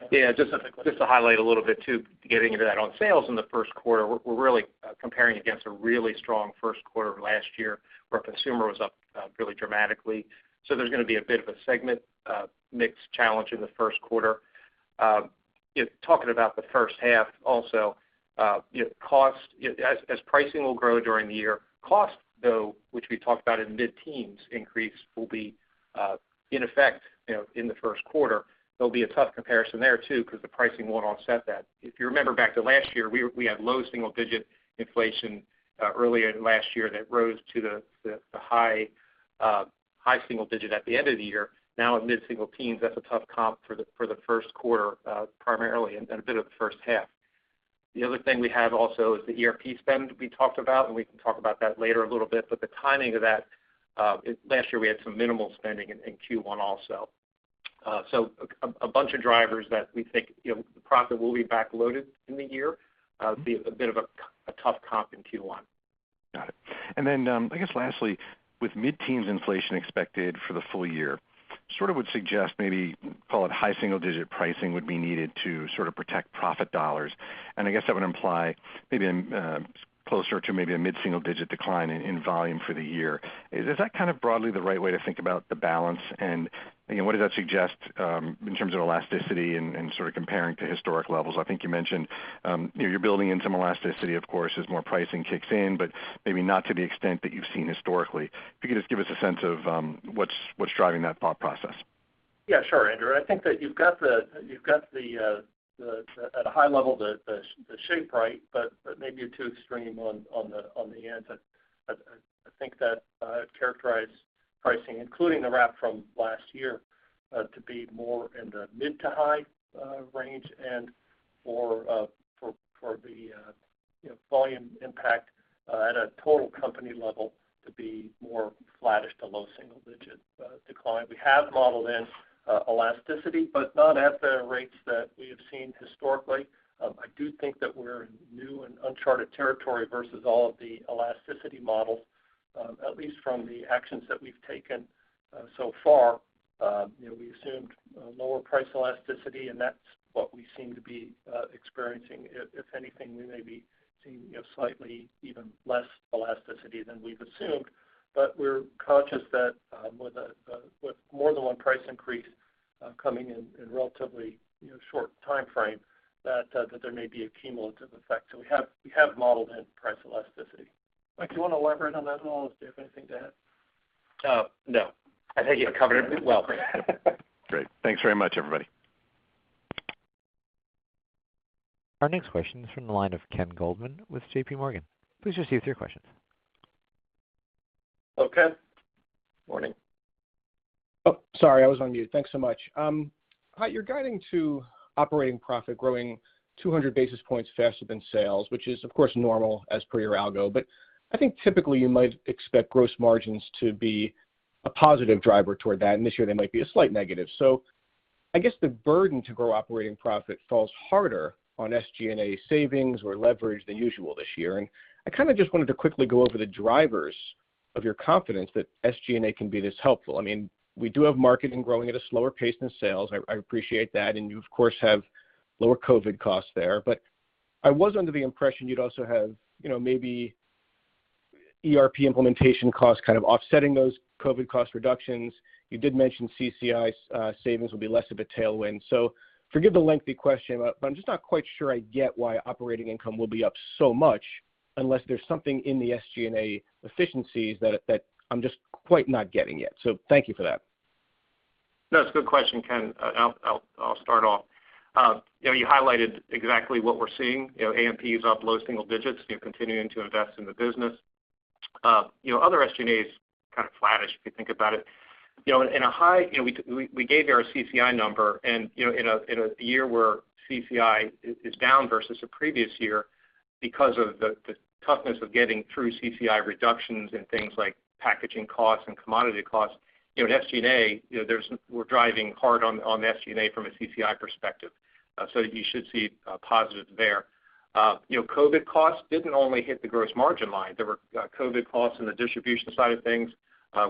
and... Yeah, just to highlight a little bit too, getting into that on sales in the first quarter, we're really comparing against a really strong first quarter of last year where consumer was up really dramatically. So there's gonna be a bit of a segment mix challenge in the first quarter. Talking about the first half also, you know, costs as pricing will grow during the year, costs though, which we talked about in mid-teens increase will be in effect, you know, in the first quarter. There'll be a tough comparison there too, because the pricing won't offset that. If you remember back to last year, we had low single digit inflation earlier last year that rose to the high single digit at the end of the year. Now at mid-single teens, that's a tough comp for the first quarter, primarily and a bit of the first half. The other thing we have also is the ERP spend we talked about, and we can talk about that later a little bit. The timing of that, last year, we had some minimal spending in Q1 also. A bunch of drivers that we think, you know, the profit will be backloaded in the year, be a bit of a tough comp in Q1. Got it. I guess lastly, with mid-teens inflation expected for the full year, sort of would suggest maybe call it high single digit pricing would be needed to sort of protect profit dollars. I guess that would imply maybe closer to maybe a mid-single digit decline in volume for the year. Is that kind of broadly the right way to think about the balance? You know, what does that suggest in terms of elasticity and sort of comparing to historic levels? I think you mentioned you know, you're building in some elasticity, of course, as more pricing kicks in, but maybe not to the extent that you've seen historically. If you could just give us a sense of what's driving that thought process. Yeah, sure, Andrew. I think that you've got the at a high level the shape right, but maybe you're too extreme on the end. I think that characterize pricing, including the wrap from last year, to be more in the mid- to high-range and more for the you know, volume impact at a total company level to be more flattish to low single-digit decline. We have modeled in elasticity, but not at the rates that we have seen historically. I do think that we're in new and uncharted territory versus all of the elasticity models, at least from the actions that we've taken so far. You know, we assumed lower price elasticity, and that's what we seem to be experiencing. If anything, we may be seeing, you know, slightly even less elasticity than we've assumed. But we're conscious that with more than one price increase coming in in relatively, you know, short timeframe, that there may be a cumulative effect. We have modeled in price elasticity. Mike, do you wanna elaborate on that at all? Do you have anything to add? No. I think you've covered it well. Great. Thanks very much, everybody. Our next question is from the line of Ken Goldman with JPMorgan. Please proceed with your question. Hello, Ken. Morning. Oh, sorry, I was on mute. Thanks so much. You're guiding to operating profit growing 200 basis points faster than sales, which is of course normal as per your algo. I think typically you might expect gross margins to be a positive driver toward that, and this year they might be a slight negative. I guess the burden to grow operating profit falls harder on SG&A savings or leverage than usual this year. I kind of just wanted to quickly go over the drivers of your confidence that SG&A can be this helpful. I mean, we do have marketing growing at a slower pace than sales. I appreciate that. You, of course, have lower COVID costs there. I was under the impression you'd also have, you know, maybe ERP implementation costs kind of offsetting those COVID cost reductions. You did mention CCI's savings will be less of a tailwind. Forgive the lengthy question, but I'm just not quite sure I get why operating income will be up so much unless there's something in the SG&A efficiencies that I'm just quite not getting yet. Thank you for that. No, it's a good question, Ken. I'll start off. You know, you highlighted exactly what we're seeing. You know, A&P is up low single digits. You're continuing to invest in the business. You know, other SG&A is kind of flattish, if you think about it. You know, we gave our CCI number and, you know, in a year where CCI is down versus the previous year because of the toughness of getting through CCI reductions and things like packaging costs and commodity costs, you know, in SG&A, you know, we're driving hard on SG&A from a CCI perspective. So you should see positives there. You know, COVID costs didn't only hit the gross margin line. There were COVID costs in the distribution side of things,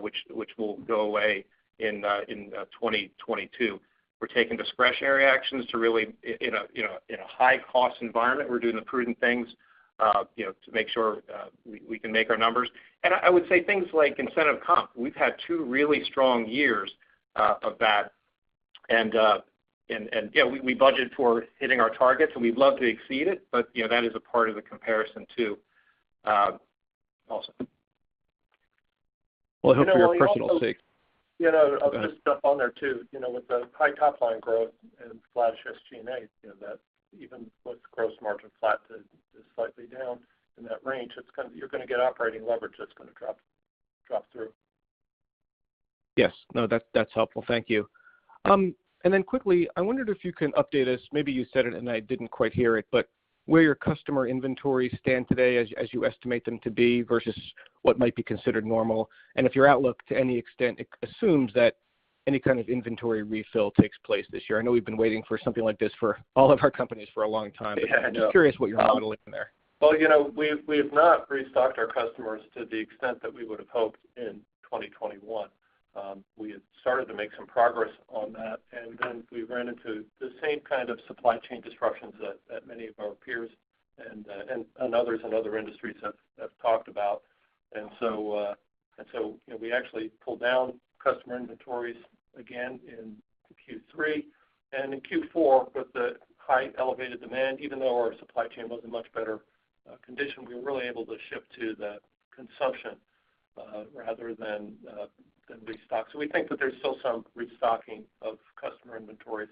which will go away in 2022. We're taking discretionary actions to really in a high-cost environment. We're doing the prudent things, you know, to make sure we can make our numbers. I would say things like incentive comp; we've had two really strong years of that. You know, we budget for hitting our targets, and we'd love to exceed it, but you know that is a part of the comparison too, also. Well, I hope for your personal sake. You know, I'll just jump on there too. You know, with the high top line growth and flattish SG&A, you know, that even with gross margin flat to slightly down in that range, it's kinda, you're gonna get operating leverage that's gonna drop through. Yes. No, that's helpful. Thank you. Quickly, I wondered if you can update us, maybe you said it and I didn't quite hear it, but where your customer inventories stand today as you estimate them to be versus what might be considered normal, and if your outlook to any extent assumes that any kind of inventory refill takes place this year. I know we've been waiting for something like this for all of our companies for a long time. Yeah, I know. Just curious what your outlook in there. Well, you know, we've not restocked our customers to the extent that we would have hoped in 2021. We had started to make some progress on that, and then we ran into the same kind of supply chain disruptions that many of our peers and others in other industries have talked about. You know, we actually pulled down customer inventories again in Q3. In Q4, with the highly elevated demand, even though our supply chain was in much better condition, we were really able to ship to the consumption rather than restock. We think that there's still some restocking of customer inventory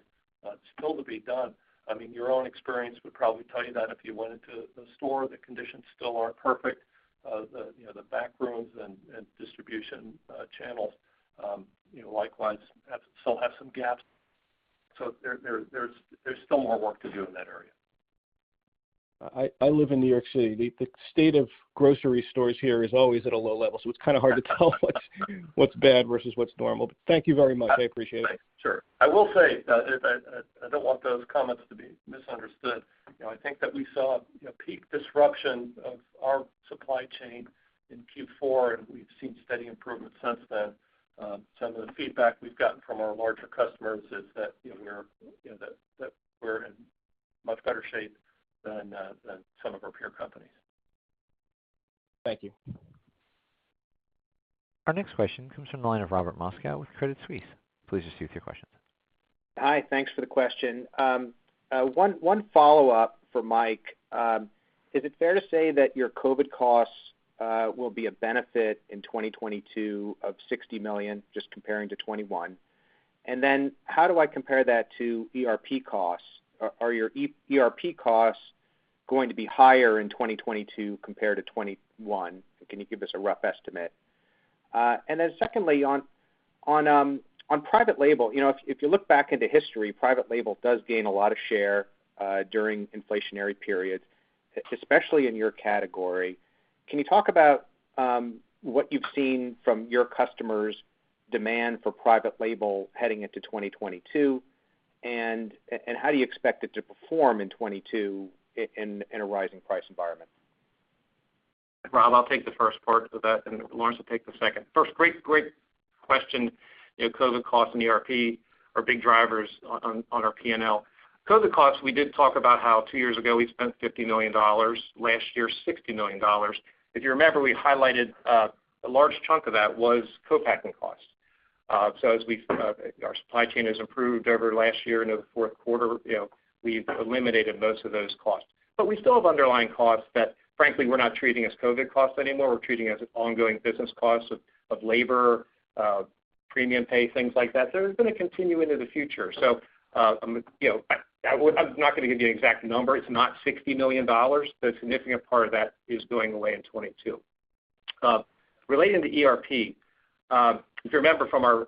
still to be done. I mean, your own experience would probably tell you that if you went into the store, the conditions still aren't perfect. You know, the back rooms and distribution channels, you know, likewise still have some gaps. There's still more work to do in that area. I live in New York City. The state of grocery stores here is always at a low level, so it's kinda hard to tell what's bad versus what's normal. Thank you very much. I appreciate it. Thanks. Sure. I will say, I don't want those comments to be misunderstood. You know, I think that we saw, you know, peak disruption of our supply chain in Q4, and we've seen steady improvement since then. Some of the feedback we've gotten from our larger customers is that, you know, we are, you know, that we're in much better shape than some of our peer companies. Thank you. Our next question comes from the line of Robert Moskow with Credit Suisse. Please proceed with your question. Hi, thanks for the question. One follow-up for Mike. Is it fair to say that your COVID costs will be a benefit in 2022 of $60 million, just comparing to 2021? How do I compare that to ERP costs? Are your ERP costs going to be higher in 2022 compared to 2021? Can you give us a rough estimate? Secondly, on private label, you know, if you look back into history, private label does gain a lot of share during inflationary periods, especially in your category. Can you talk about what you've seen from your customers' demand for private label heading into 2022? How do you expect it to perform in 2022 in a rising price environment? Rob, I'll take the first part of that, and Lawrence will take the second. First, great question. You know, COVID costs and ERP are big drivers on our P&L. COVID costs, we did talk about how two years ago we spent $50 million last year, $60 million. If you remember, we highlighted a large chunk of that was co-packing costs. As our supply chain has improved over last year into the fourth quarter, you know, we've eliminated most of those costs. But we still have underlying costs that, frankly, we're not treating as COVID costs anymore. We're treating as ongoing business costs of labor, premium pay, things like that. It's gonna continue into the future. You know, I'm not gonna give you an exact number. It's not $60 million, but a significant part of that is going away in 2022. Relating to ERP, if you remember from our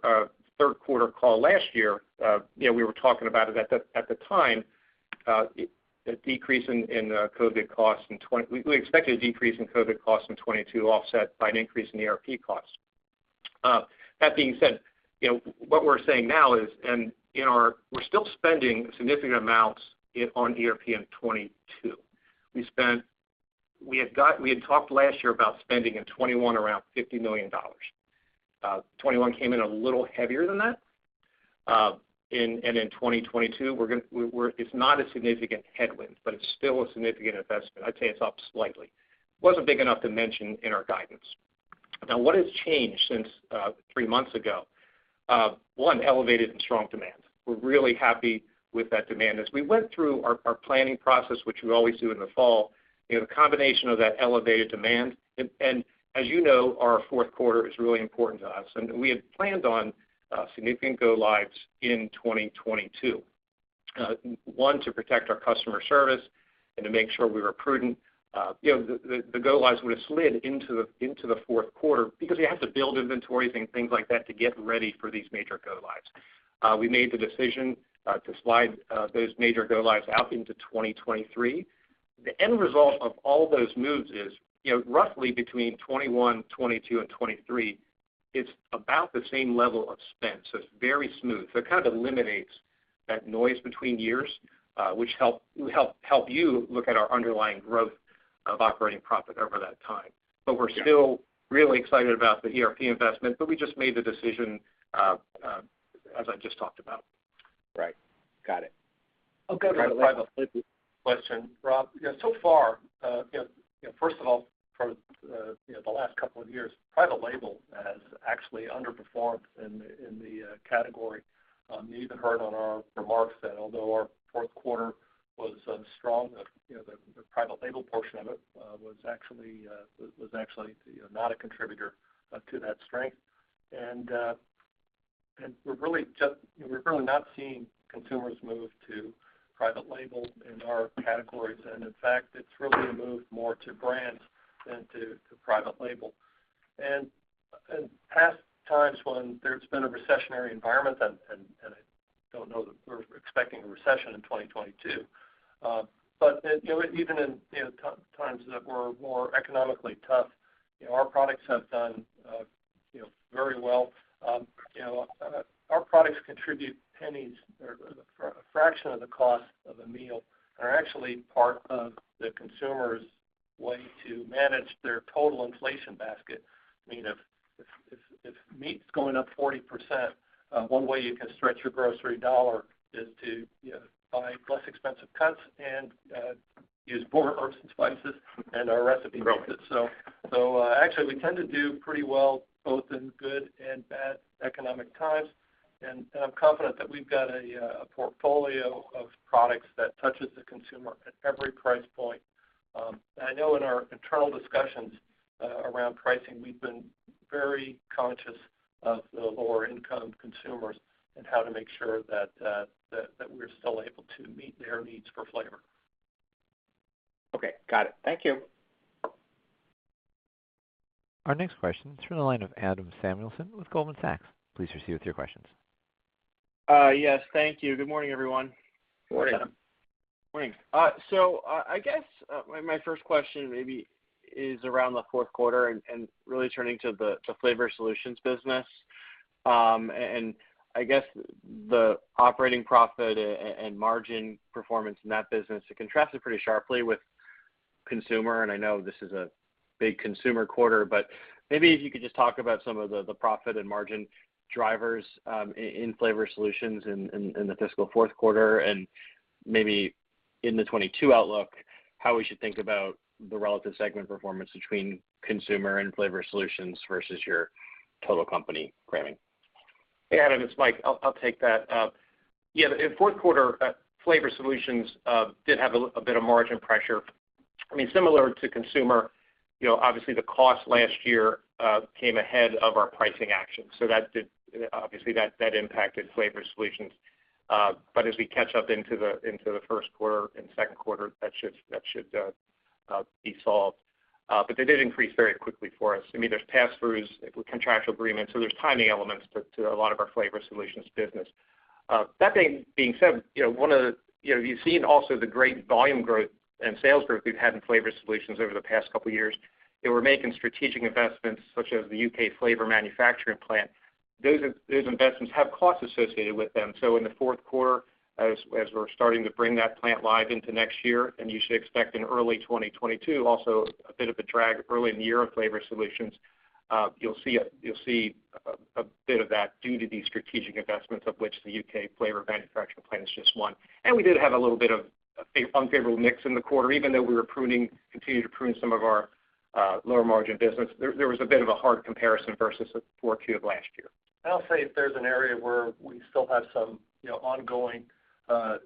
third quarter call last year, you know, we were talking about it at the time, a decrease in COVID costs in 2022. We expected a decrease in COVID costs in 2022 offset by an increase in ERP costs. That being said, you know, what we're saying now is we're still spending significant amounts on ERP in 2022. We had talked last year about spending in 2021 around $50 million. 2021 came in a little heavier than that. In 2022, we're it's not a significant headwind, but it's still a significant investment. I'd say it's up slightly. Wasn't big enough to mention in our guidance. Now, what has changed since three months ago? One, elevated and strong demand. We're really happy with that demand. As we went through our planning process, which we always do in the fall, you know, the combination of that elevated demand, and as you know, our fourth quarter is really important to us, and we had planned on significant go-lives in 2022. One, to protect our customer service and to make sure we were prudent, you know, the go-lives would've slid into the fourth quarter because you have to build inventories and things like that to get ready for these major go-lives. We made the decision to slide those major go-lives out into 2023. The end result of all those moves is, you know, roughly between 2021, 2022, and 2023, it's about the same level of spend, so it's very smooth. It kind of eliminates that noise between years, which help you look at our underlying growth of operating profit over that time. We're still really excited about the ERP investment, but we just made the decision, as I just talked about. Right. Got it. I'll go to the private label question, Rob. You know, so far, first of all, for the last couple of years, private label has actually underperformed in the category. You even heard on our remarks that although our fourth quarter was strong, you know, the private label portion of it was actually not a contributor to that strength. We're really just, you know, we're really not seeing consumers move to private label in our categories. In fact, it's really moved more to brands than to private label. In past times when there's been a recessionary environment, and I don't know that we're expecting a recession in 2022, but you know, even in you know times that were more economically tough, you know, our products have done you know very well. You know, our products contribute pennies or a fraction of the cost of a meal, and are actually part of the consumer's way to manage their total inflation basket. I mean, if meat's going up 40%, one way you can stretch your grocery dollar is to, you know, buy less expensive cuts and use more herbs and spices and our recipe mix. Actually, we tend to do pretty well both in good and bad economic times. I'm confident that we've got a portfolio of products that touches the consumer at every price point. I know in our internal discussions around pricing, we've been very conscious of the lower income consumers and how to make sure that we're still able to meet their needs for flavor. Okay. Got it. Thank you. Our next question is from the line of Adam Samuelson with Goldman Sachs. Please proceed with your questions. Yes, thank you. Good morning, everyone. Morning, Adam. Morning. Morning. I guess my first question maybe is around the fourth quarter and really turning to the Flavor Solutions business. I guess the operating profit and margin performance in that business. It contrasted pretty sharply with Consumer, and I know this is a big Consumer quarter. Maybe if you could just talk about some of the profit and margin drivers in Flavor Solutions in the fiscal fourth quarter and maybe in the 2022 outlook, how we should think about the relative segment performance between Consumer and Flavor Solutions versus your total company framing. Hey, Adam, it's Mike. I'll take that. Yeah, in fourth quarter, Flavor Solutions did have a bit of margin pressure. I mean, similar to Consumer, you know, obviously the cost last year came ahead of our pricing actions. So obviously, that impacted Flavor Solutions. But as we catch up into the first quarter and second quarter, that should be solved. But they did increase very quickly for us. I mean, there's pass-throughs with contractual agreements, so there's timing elements to a lot of our Flavor Solutions business. That being said, you know, you've seen also the great volume growth and sales growth we've had in Flavor Solutions over the past couple years. We're making strategic investments such as the U.K. flavor manufacturing plant. Those investments have costs associated with them. In the fourth quarter, we're starting to bring that plant live into next year, and you should expect in early 2022 also a bit of a drag early in the year of Flavor Solutions. You'll see a bit of that due to these strategic investments of which the U.K. flavor manufacturing plant is just one. We did have a little bit of unfavorable mix in the quarter. Even though we were pruning, continued to prune some of our lower margin business, there was a bit of a hard comparison versus the 4Q of last year. I'll say if there's an area where we still have some, you know, ongoing, I'd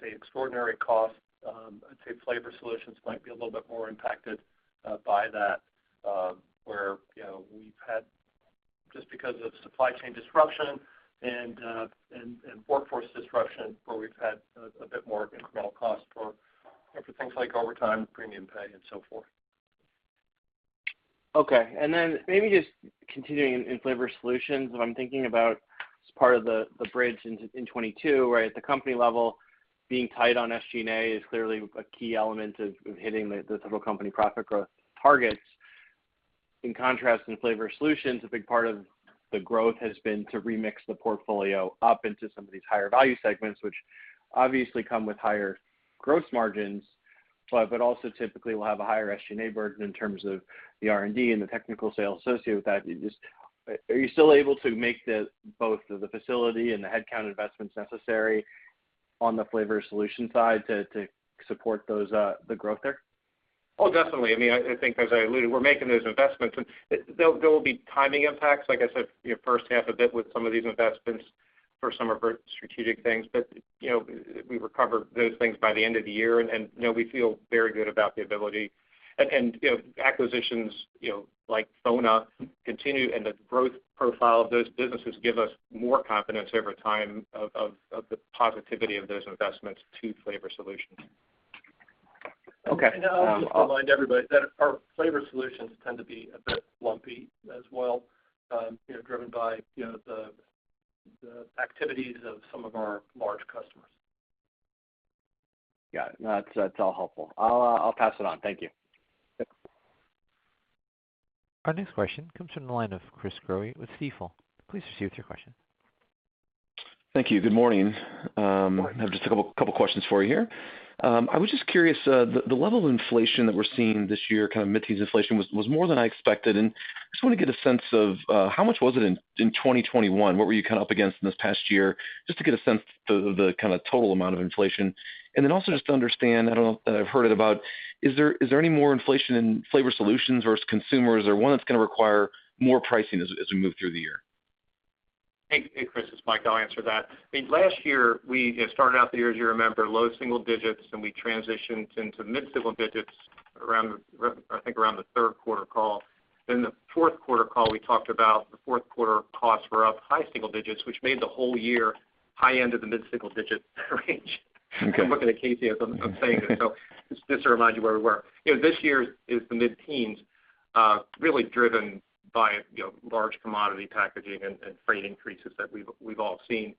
say extraordinary costs. I'd say Flavor Solutions might be a little bit more impacted by that, where, you know, we've had just because of supply chain disruption and workforce disruption, where we've had a bit more incremental cost for, you know, for things like overtime, premium pay and so forth. Okay. Maybe just continuing in Flavor Solutions, if I'm thinking about as part of the bridge in 2022, right? At the company level, being tight on SG&A is clearly a key element of hitting the total company profit growth targets. In contrast, in Flavor Solutions, a big part of the growth has been to remix the portfolio up into some of these higher value segments, which obviously come with higher gross margins, but also typically will have a higher SG&A burden in terms of the R&D and the technical sales associated with that. Just are you still able to make both the facility and the headcount investments necessary on the Flavor Solutions side to support those, the growth there? Oh, definitely. I mean, I think as I alluded, we're making those investments and there will be timing impacts, like I said, you know, first half a bit with some of these investments for some of our strategic things. You know, we recover those things by the end of the year and, you know, we feel very good about the ability. You know, acquisitions, you know, like FONA continue, and the growth profile of those businesses give us more confidence over time of the positivity of those investments to Flavor Solutions. Okay. I'll just remind everybody that our Flavor Solutions tend to be a bit lumpy as well, you know, driven by, you know, the activities of some of our large customers. Got it. No, that's all helpful. I'll pass it on. Thank you. Thanks. Our next question comes from the line of Chris Growe with Stifel. Please proceed with your question. Thank you. Good morning. Morning. I have just a couple questions for you here. I was just curious, the level of inflation that we're seeing this year, kind of mid-teen inflation was more than I expected, and I just wanna get a sense of how much was it in 2021? What were you kind of up against in this past year? Just to get a sense of the kinda total amount of inflation. Also just to understand, I don't know that I've heard it about, is there any more inflation in Flavor Solutions versus Consumer? Is there one that's gonna require more pricing as we move through the year? Hey, hey, Chris. It's Mike. I'll answer that. I mean, last year, we, you know, started out the year, as you remember, low single digits, and we transitioned into mid-single digits around, I think, the third quarter call. Then the fourth quarter call, we talked about the fourth quarter costs were up high single digits, which made the whole year high end of the mid-single digit range. Okay. I'm looking at Kasey as I'm saying this, so just to remind you where we were. You know, this year is the mid-teens%, really driven by, you know, large commodity packaging and freight increases that we've all seen.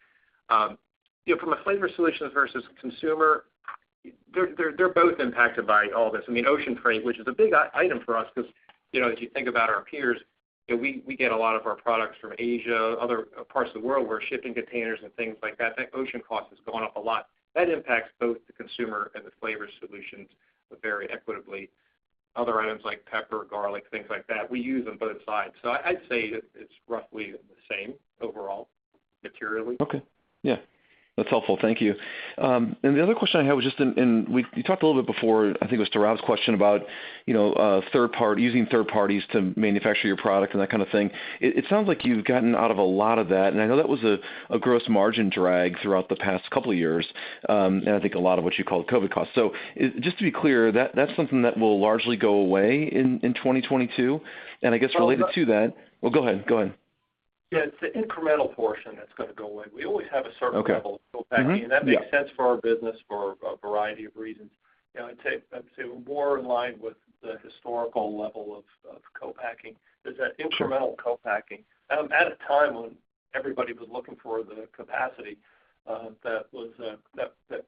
You know, from a Flavor Solutions versus Consumer, they're both impacted by all this. I mean, ocean freight, which is a big item for us, 'cause, you know, as you think about our peers. Yeah, we get a lot of our products from Asia, other parts of the world where shipping containers and things like that ocean cost has gone up a lot. That impacts both the Consumer and the Flavor Solutions very equally. Other items like pepper, garlic, things like that, we use on both sides. I'd say it's roughly the same overall materially. Okay. Yeah. That's helpful. Thank you. The other question I had was just in. You talked a little bit before, I think it was to Rob's question about, you know, third parties to manufacture your product and that kind of thing. It sounds like you've gotten out of a lot of that, and I know that was a gross margin drag throughout the past couple of years, and I think a lot of what you call the COVID costs. Just to be clear, that's something that will largely go away in 2022? I guess related to that. Well, go ahead. Yeah, it's the incremental portion that's gonna go away. We always have a certain level of co-packing, and that makes sense for our business for a variety of reasons. You know, I'd say we're more in line with the historical level of co-packing. There's that incremental co-packing at a time when everybody was looking for the capacity, that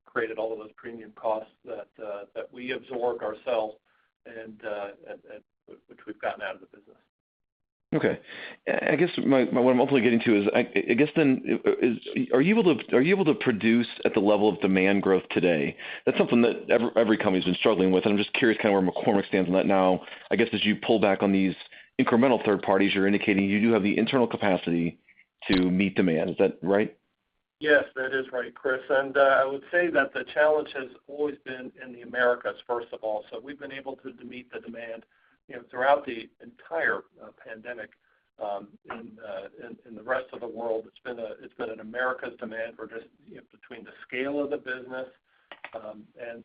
created all of those premium costs that we absorb ourselves and which we've gotten out of the business. Okay. I guess what I'm hopefully getting to is, are you able to produce at the level of demand growth today? That's something that every company's been struggling with, and I'm just curious kind of where McCormick stands on that now. I guess as you pull back on these incremental third parties, you're indicating you do have the internal capacity to meet demand. Is that right? Yes, that is right, Chris. I would say that the challenge has always been in the Americas, first of all. We've been able to meet the demand, you know, throughout the entire pandemic in the rest of the world. It's been an Americas demand for just, you know, between the scale of the business and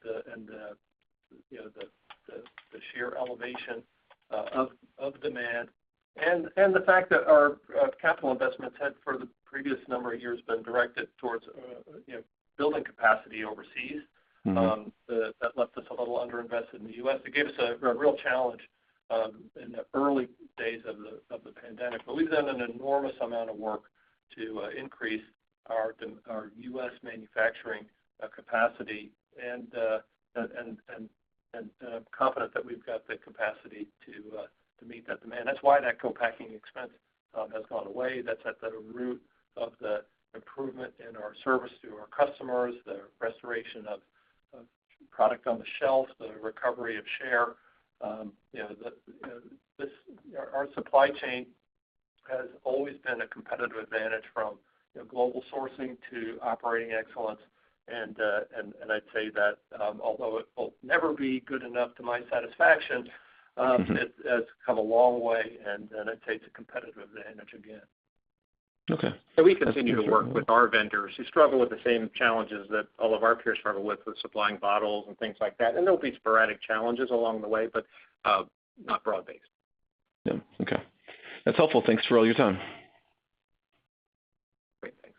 the sheer elevation of demand. The fact that our capital investments had for the previous number of years been directed towards, you know, building capacity overseas. Mm-hmm. That left us a little under-invested in the U.S. It gave us a real challenge in the early days of the pandemic. We've done an enormous amount of work to increase our U.S. manufacturing capacity and confident that we've got the capacity to meet that demand. That's why that co-packing expense has gone away. That's at the root of the improvement in our service to our customers, the restoration of product on the shelf, the recovery of share. You know, this, our supply chain has always been a competitive advantage from, you know, global sourcing to operating excellence. I'd say that it will never be good enough to my satisfaction. It has come a long way, and that's a competitive advantage again. Okay. We continue to work with our vendors who struggle with the same challenges that all of our peers struggle with supplying bottles and things like that. There'll be sporadic challenges along the way, but not broad-based. Yeah. Okay. That's helpful. Thanks for all your time. Great. Thanks.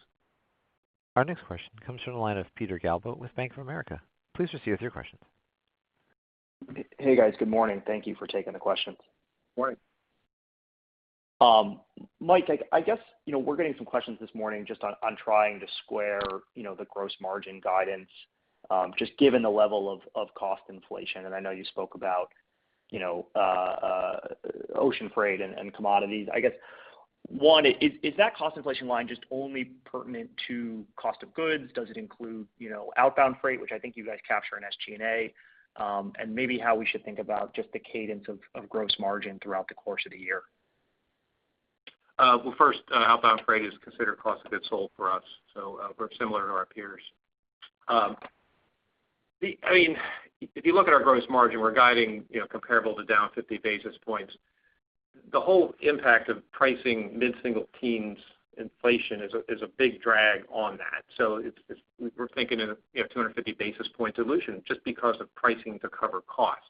Our next question comes from the line of Peter Galbo with Bank of America. Please proceed with your question. Hey, guys. Good morning. Thank you for taking the questions. Morning. Mike, I guess, you know, we're getting some questions this morning just on trying to square, you know, the gross margin guidance, just given the level of cost inflation. I know you spoke about, you know, ocean freight and commodities. I guess, is that cost inflation line just only pertinent to cost of goods? Does it include, you know, outbound freight, which I think you guys capture in SG&A? Maybe how we should think about just the cadence of gross margin throughout the course of the year. Well, first, outbound freight is considered cost of goods sold for us, so we're similar to our peers. I mean, if you look at our gross margin, we're guiding, you know, comparable to down 50 basis points. The whole impact of pricing mid-single teens inflation is a big drag on that. We're thinking in a, you know, 250 basis point dilution just because of pricing to cover costs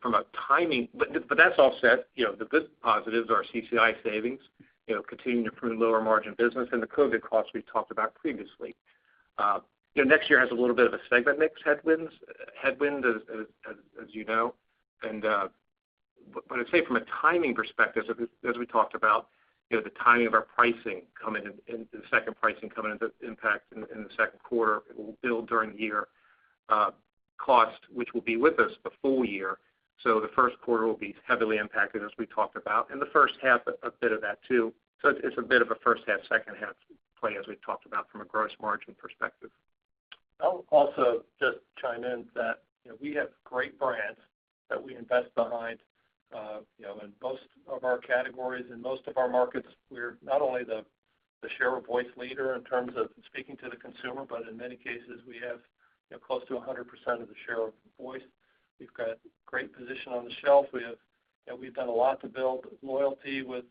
from a timing. That's offset, you know, the positives are CCI savings, you know, continuing to prune lower margin business and the COVID costs we've talked about previously. You know, next year has a little bit of a segment mix headwind as you know. I'd say from a timing perspective, as we talked about, you know, the timing of our pricing coming in, the second pricing coming into impact in the second quarter, it will build during the year, costs, which will be with us the full year. The first quarter will be heavily impacted, as we talked about, and the first half a bit of that too. It's a bit of a first half, second half play, as we've talked about from a gross margin perspective. I'll also just chime in that, you know, we have great brands that we invest behind, you know, in both of our categories. In most of our markets, we're not only the share of voice leader in terms of speaking to the consumer, but in many cases, we have, you know, close to 100% of the share of voice. We've got great position on the shelf. You know, we've done a lot to build loyalty with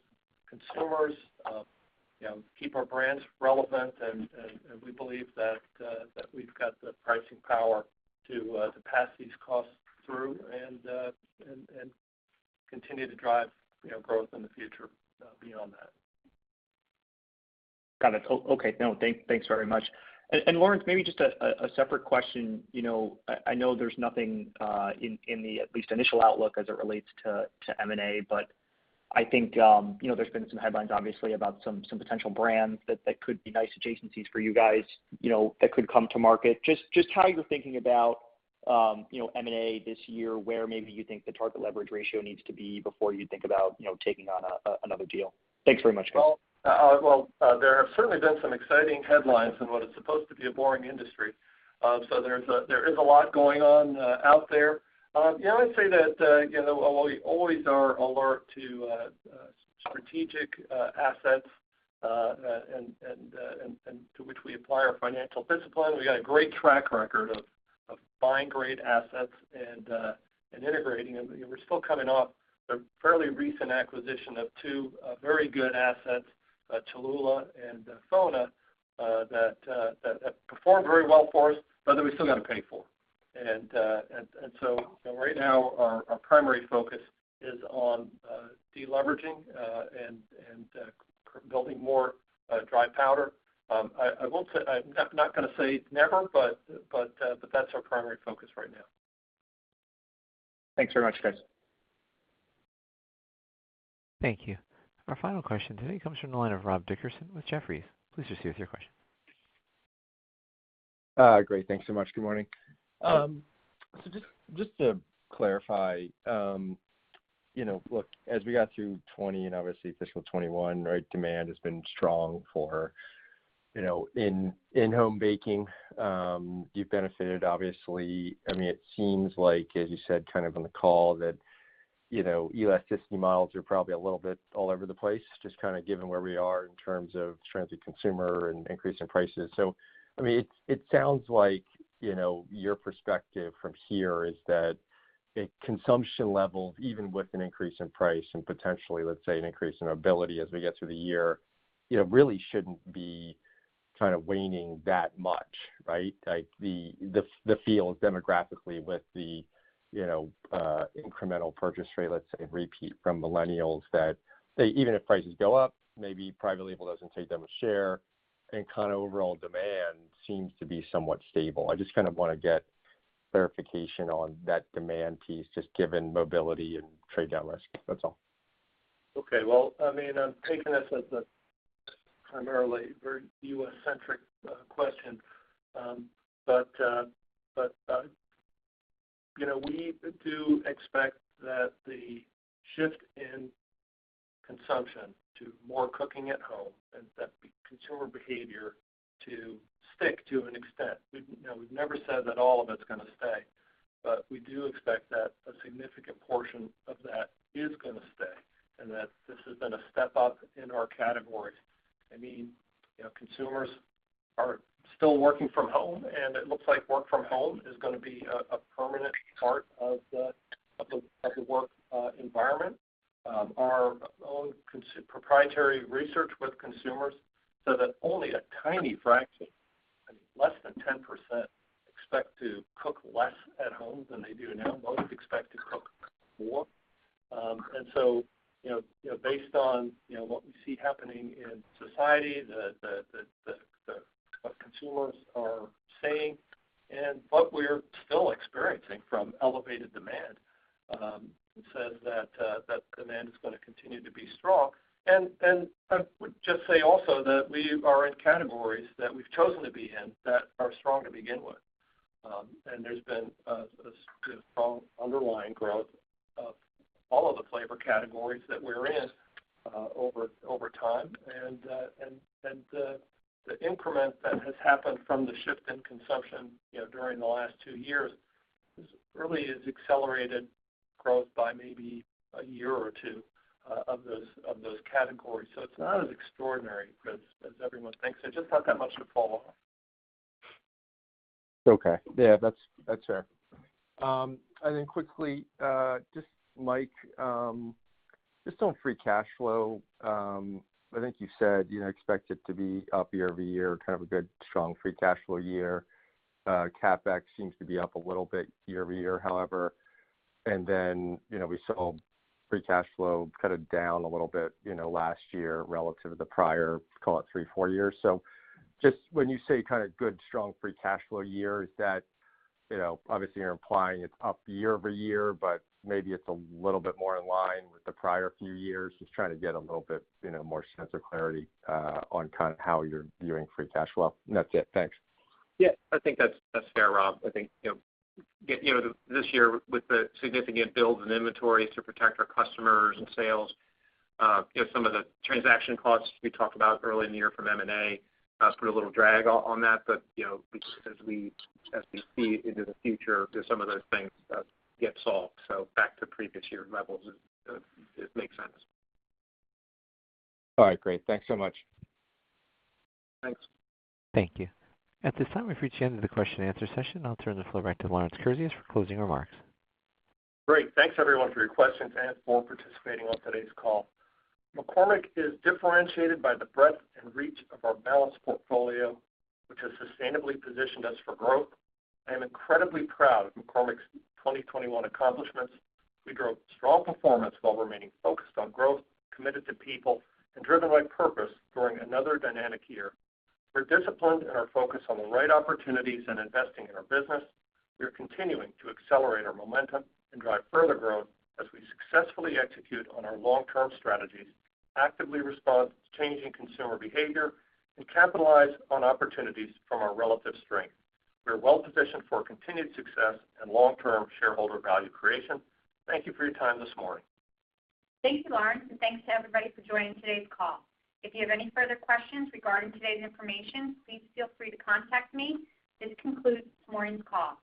consumers, you know, keep our brands relevant, and we believe that we've got the pricing power to pass these costs through and continue to drive, you know, growth in the future, beyond that. Got it. Okay. No, thanks very much. Lawrence, maybe just a separate question. You know, I know there's nothing in the at least initial outlook as it relates to M&A, but I think you know, there's been some headlines obviously about some potential brands that could be nice adjacencies for you guys, you know, that could come to market. Just how you're thinking about, you know, M&A this year, where maybe you think the target leverage ratio needs to be before you think about, you know, taking on another deal? Thanks very much, guys. There have certainly been some exciting headlines in what is supposed to be a boring industry. There is a lot going on out there. I'd say that you know, while we always are alert to strategic assets and to which we apply our financial discipline, we've got a great track record of buying great assets and integrating them. We're still coming off a fairly recent acquisition of two very good assets, Cholula and FONA, that performed very well for us, but that we still got to pay for. Right now our primary focus is on de-leveraging and building more dry powder. I'm not gonna say never, but that's our primary focus right now. Thanks very much, guys. Thank you. Our final question today comes from the line of Rob Dickerson with Jefferies. Please proceed with your question. Great. Thanks so much. Good morning. Just to clarify, you know, look, as we got through 2020 and obviously fiscal 2021, right, demand has been strong for, you know, in-home baking. You've benefited, obviously. I mean, it seems like, as you said kind of on the call that, you know, U.S. system models are probably a little bit all over the place, just kind of given where we are in terms of transient consumer and increase in prices. I mean, it sounds like, you know, your perspective from here is that at a consumption level, even with an increase in price and potentially, let's say, an increase in mobility as we get through the year, you know, really shouldn't be kind of waning that much, right? Like the feel demographically with the you know incremental purchase rate, let's say, repeat from millennials that even if prices go up, maybe private label doesn't take that much share and kind of overall demand seems to be somewhat stable. I just kind of wanna get verification on that demand piece, just given mobility and trade-down risk. That's all. Okay. Well, I mean, I'm taking this as a primarily very U.S.-centric question. But you know, we do expect that the shift in consumption to more cooking at home and that consumer behavior to stick to an extent. We've you know, we've never said that all of it's gonna stay, but we do expect that a significant portion of that is gonna stay, and that this has been a step up in our categories. I mean, you know, consumers are still working from home, and it looks like work from home is gonna be a permanent part of the work environment. Our own proprietary research with consumers so that only a tiny fraction, less than 10% expect to cook less at home than they do now. Most expect to cook more. You know, based on you know, what we see happening in society, what consumers are saying and what we're still experiencing from elevated demand, says that that demand is gonna continue to be strong. I would just say also that we are in categories that we've chosen to be in that are strong to begin with. There's been a strong underlying growth of all of the flavor categories that we're in over time. The increment that has happened from the shift in consumption, you know, during the last two years really has accelerated growth by maybe a year or two of those categories. It's not as extraordinary as everyone thinks. There's just not that much to follow. Okay. Yeah, that's fair. Quickly, just Mike, just on free cash flow, I think you said, you know, expect it to be up year-over-year, kind of a good strong free cash flow year. CapEx seems to be up a little bit year-over-year, however. You know, we saw free cash flow kind of down a little bit, you know, last year relative to the prior, call it three, four years. Just when you say kind of good, strong free cash flow year, is that, you know, obviously you're implying it's up year-over-year, but maybe it's a little bit more in line with the prior few years. Just trying to get a little bit, you know, more sense of clarity, on kind of how you're viewing free cash flow. That's it. Thanks. Yeah, I think that's fair, Rob. I think you know this year with the significant builds and inventories to protect our customers and sales, you know some of the transaction costs we talked about early in the year from M&A put a little drag on that. You know as we see into the future, there's some of those things that get solved, so back to previous year levels, it makes sense. All right, great. Thanks so much. Thanks. Thank you. At this time, we've reached the end of the question-and-answer session. I'll turn the floor back to Lawrence Kurzius for closing remarks. Great. Thanks, everyone, for your questions and for participating on today's call. McCormick is differentiated by the breadth and reach of our balanced portfolio, which has sustainably positioned us for growth. I am incredibly proud of McCormick's 2021 accomplishments. We drove strong performance while remaining focused on growth, committed to people, and driven by purpose during another dynamic year. We're disciplined in our focus on the right opportunities and investing in our business. We are continuing to accelerate our momentum and drive further growth as we successfully execute on our long-term strategies, actively respond to changing consumer behavior, and capitalize on opportunities from our relative strength. We are well-positioned for continued success and long-term shareholder value creation. Thank you for your time this morning. Thank you, Lawrence, and thanks to everybody for joining today's call. If you have any further questions regarding today's information, please feel free to contact me. This concludes this morning's call.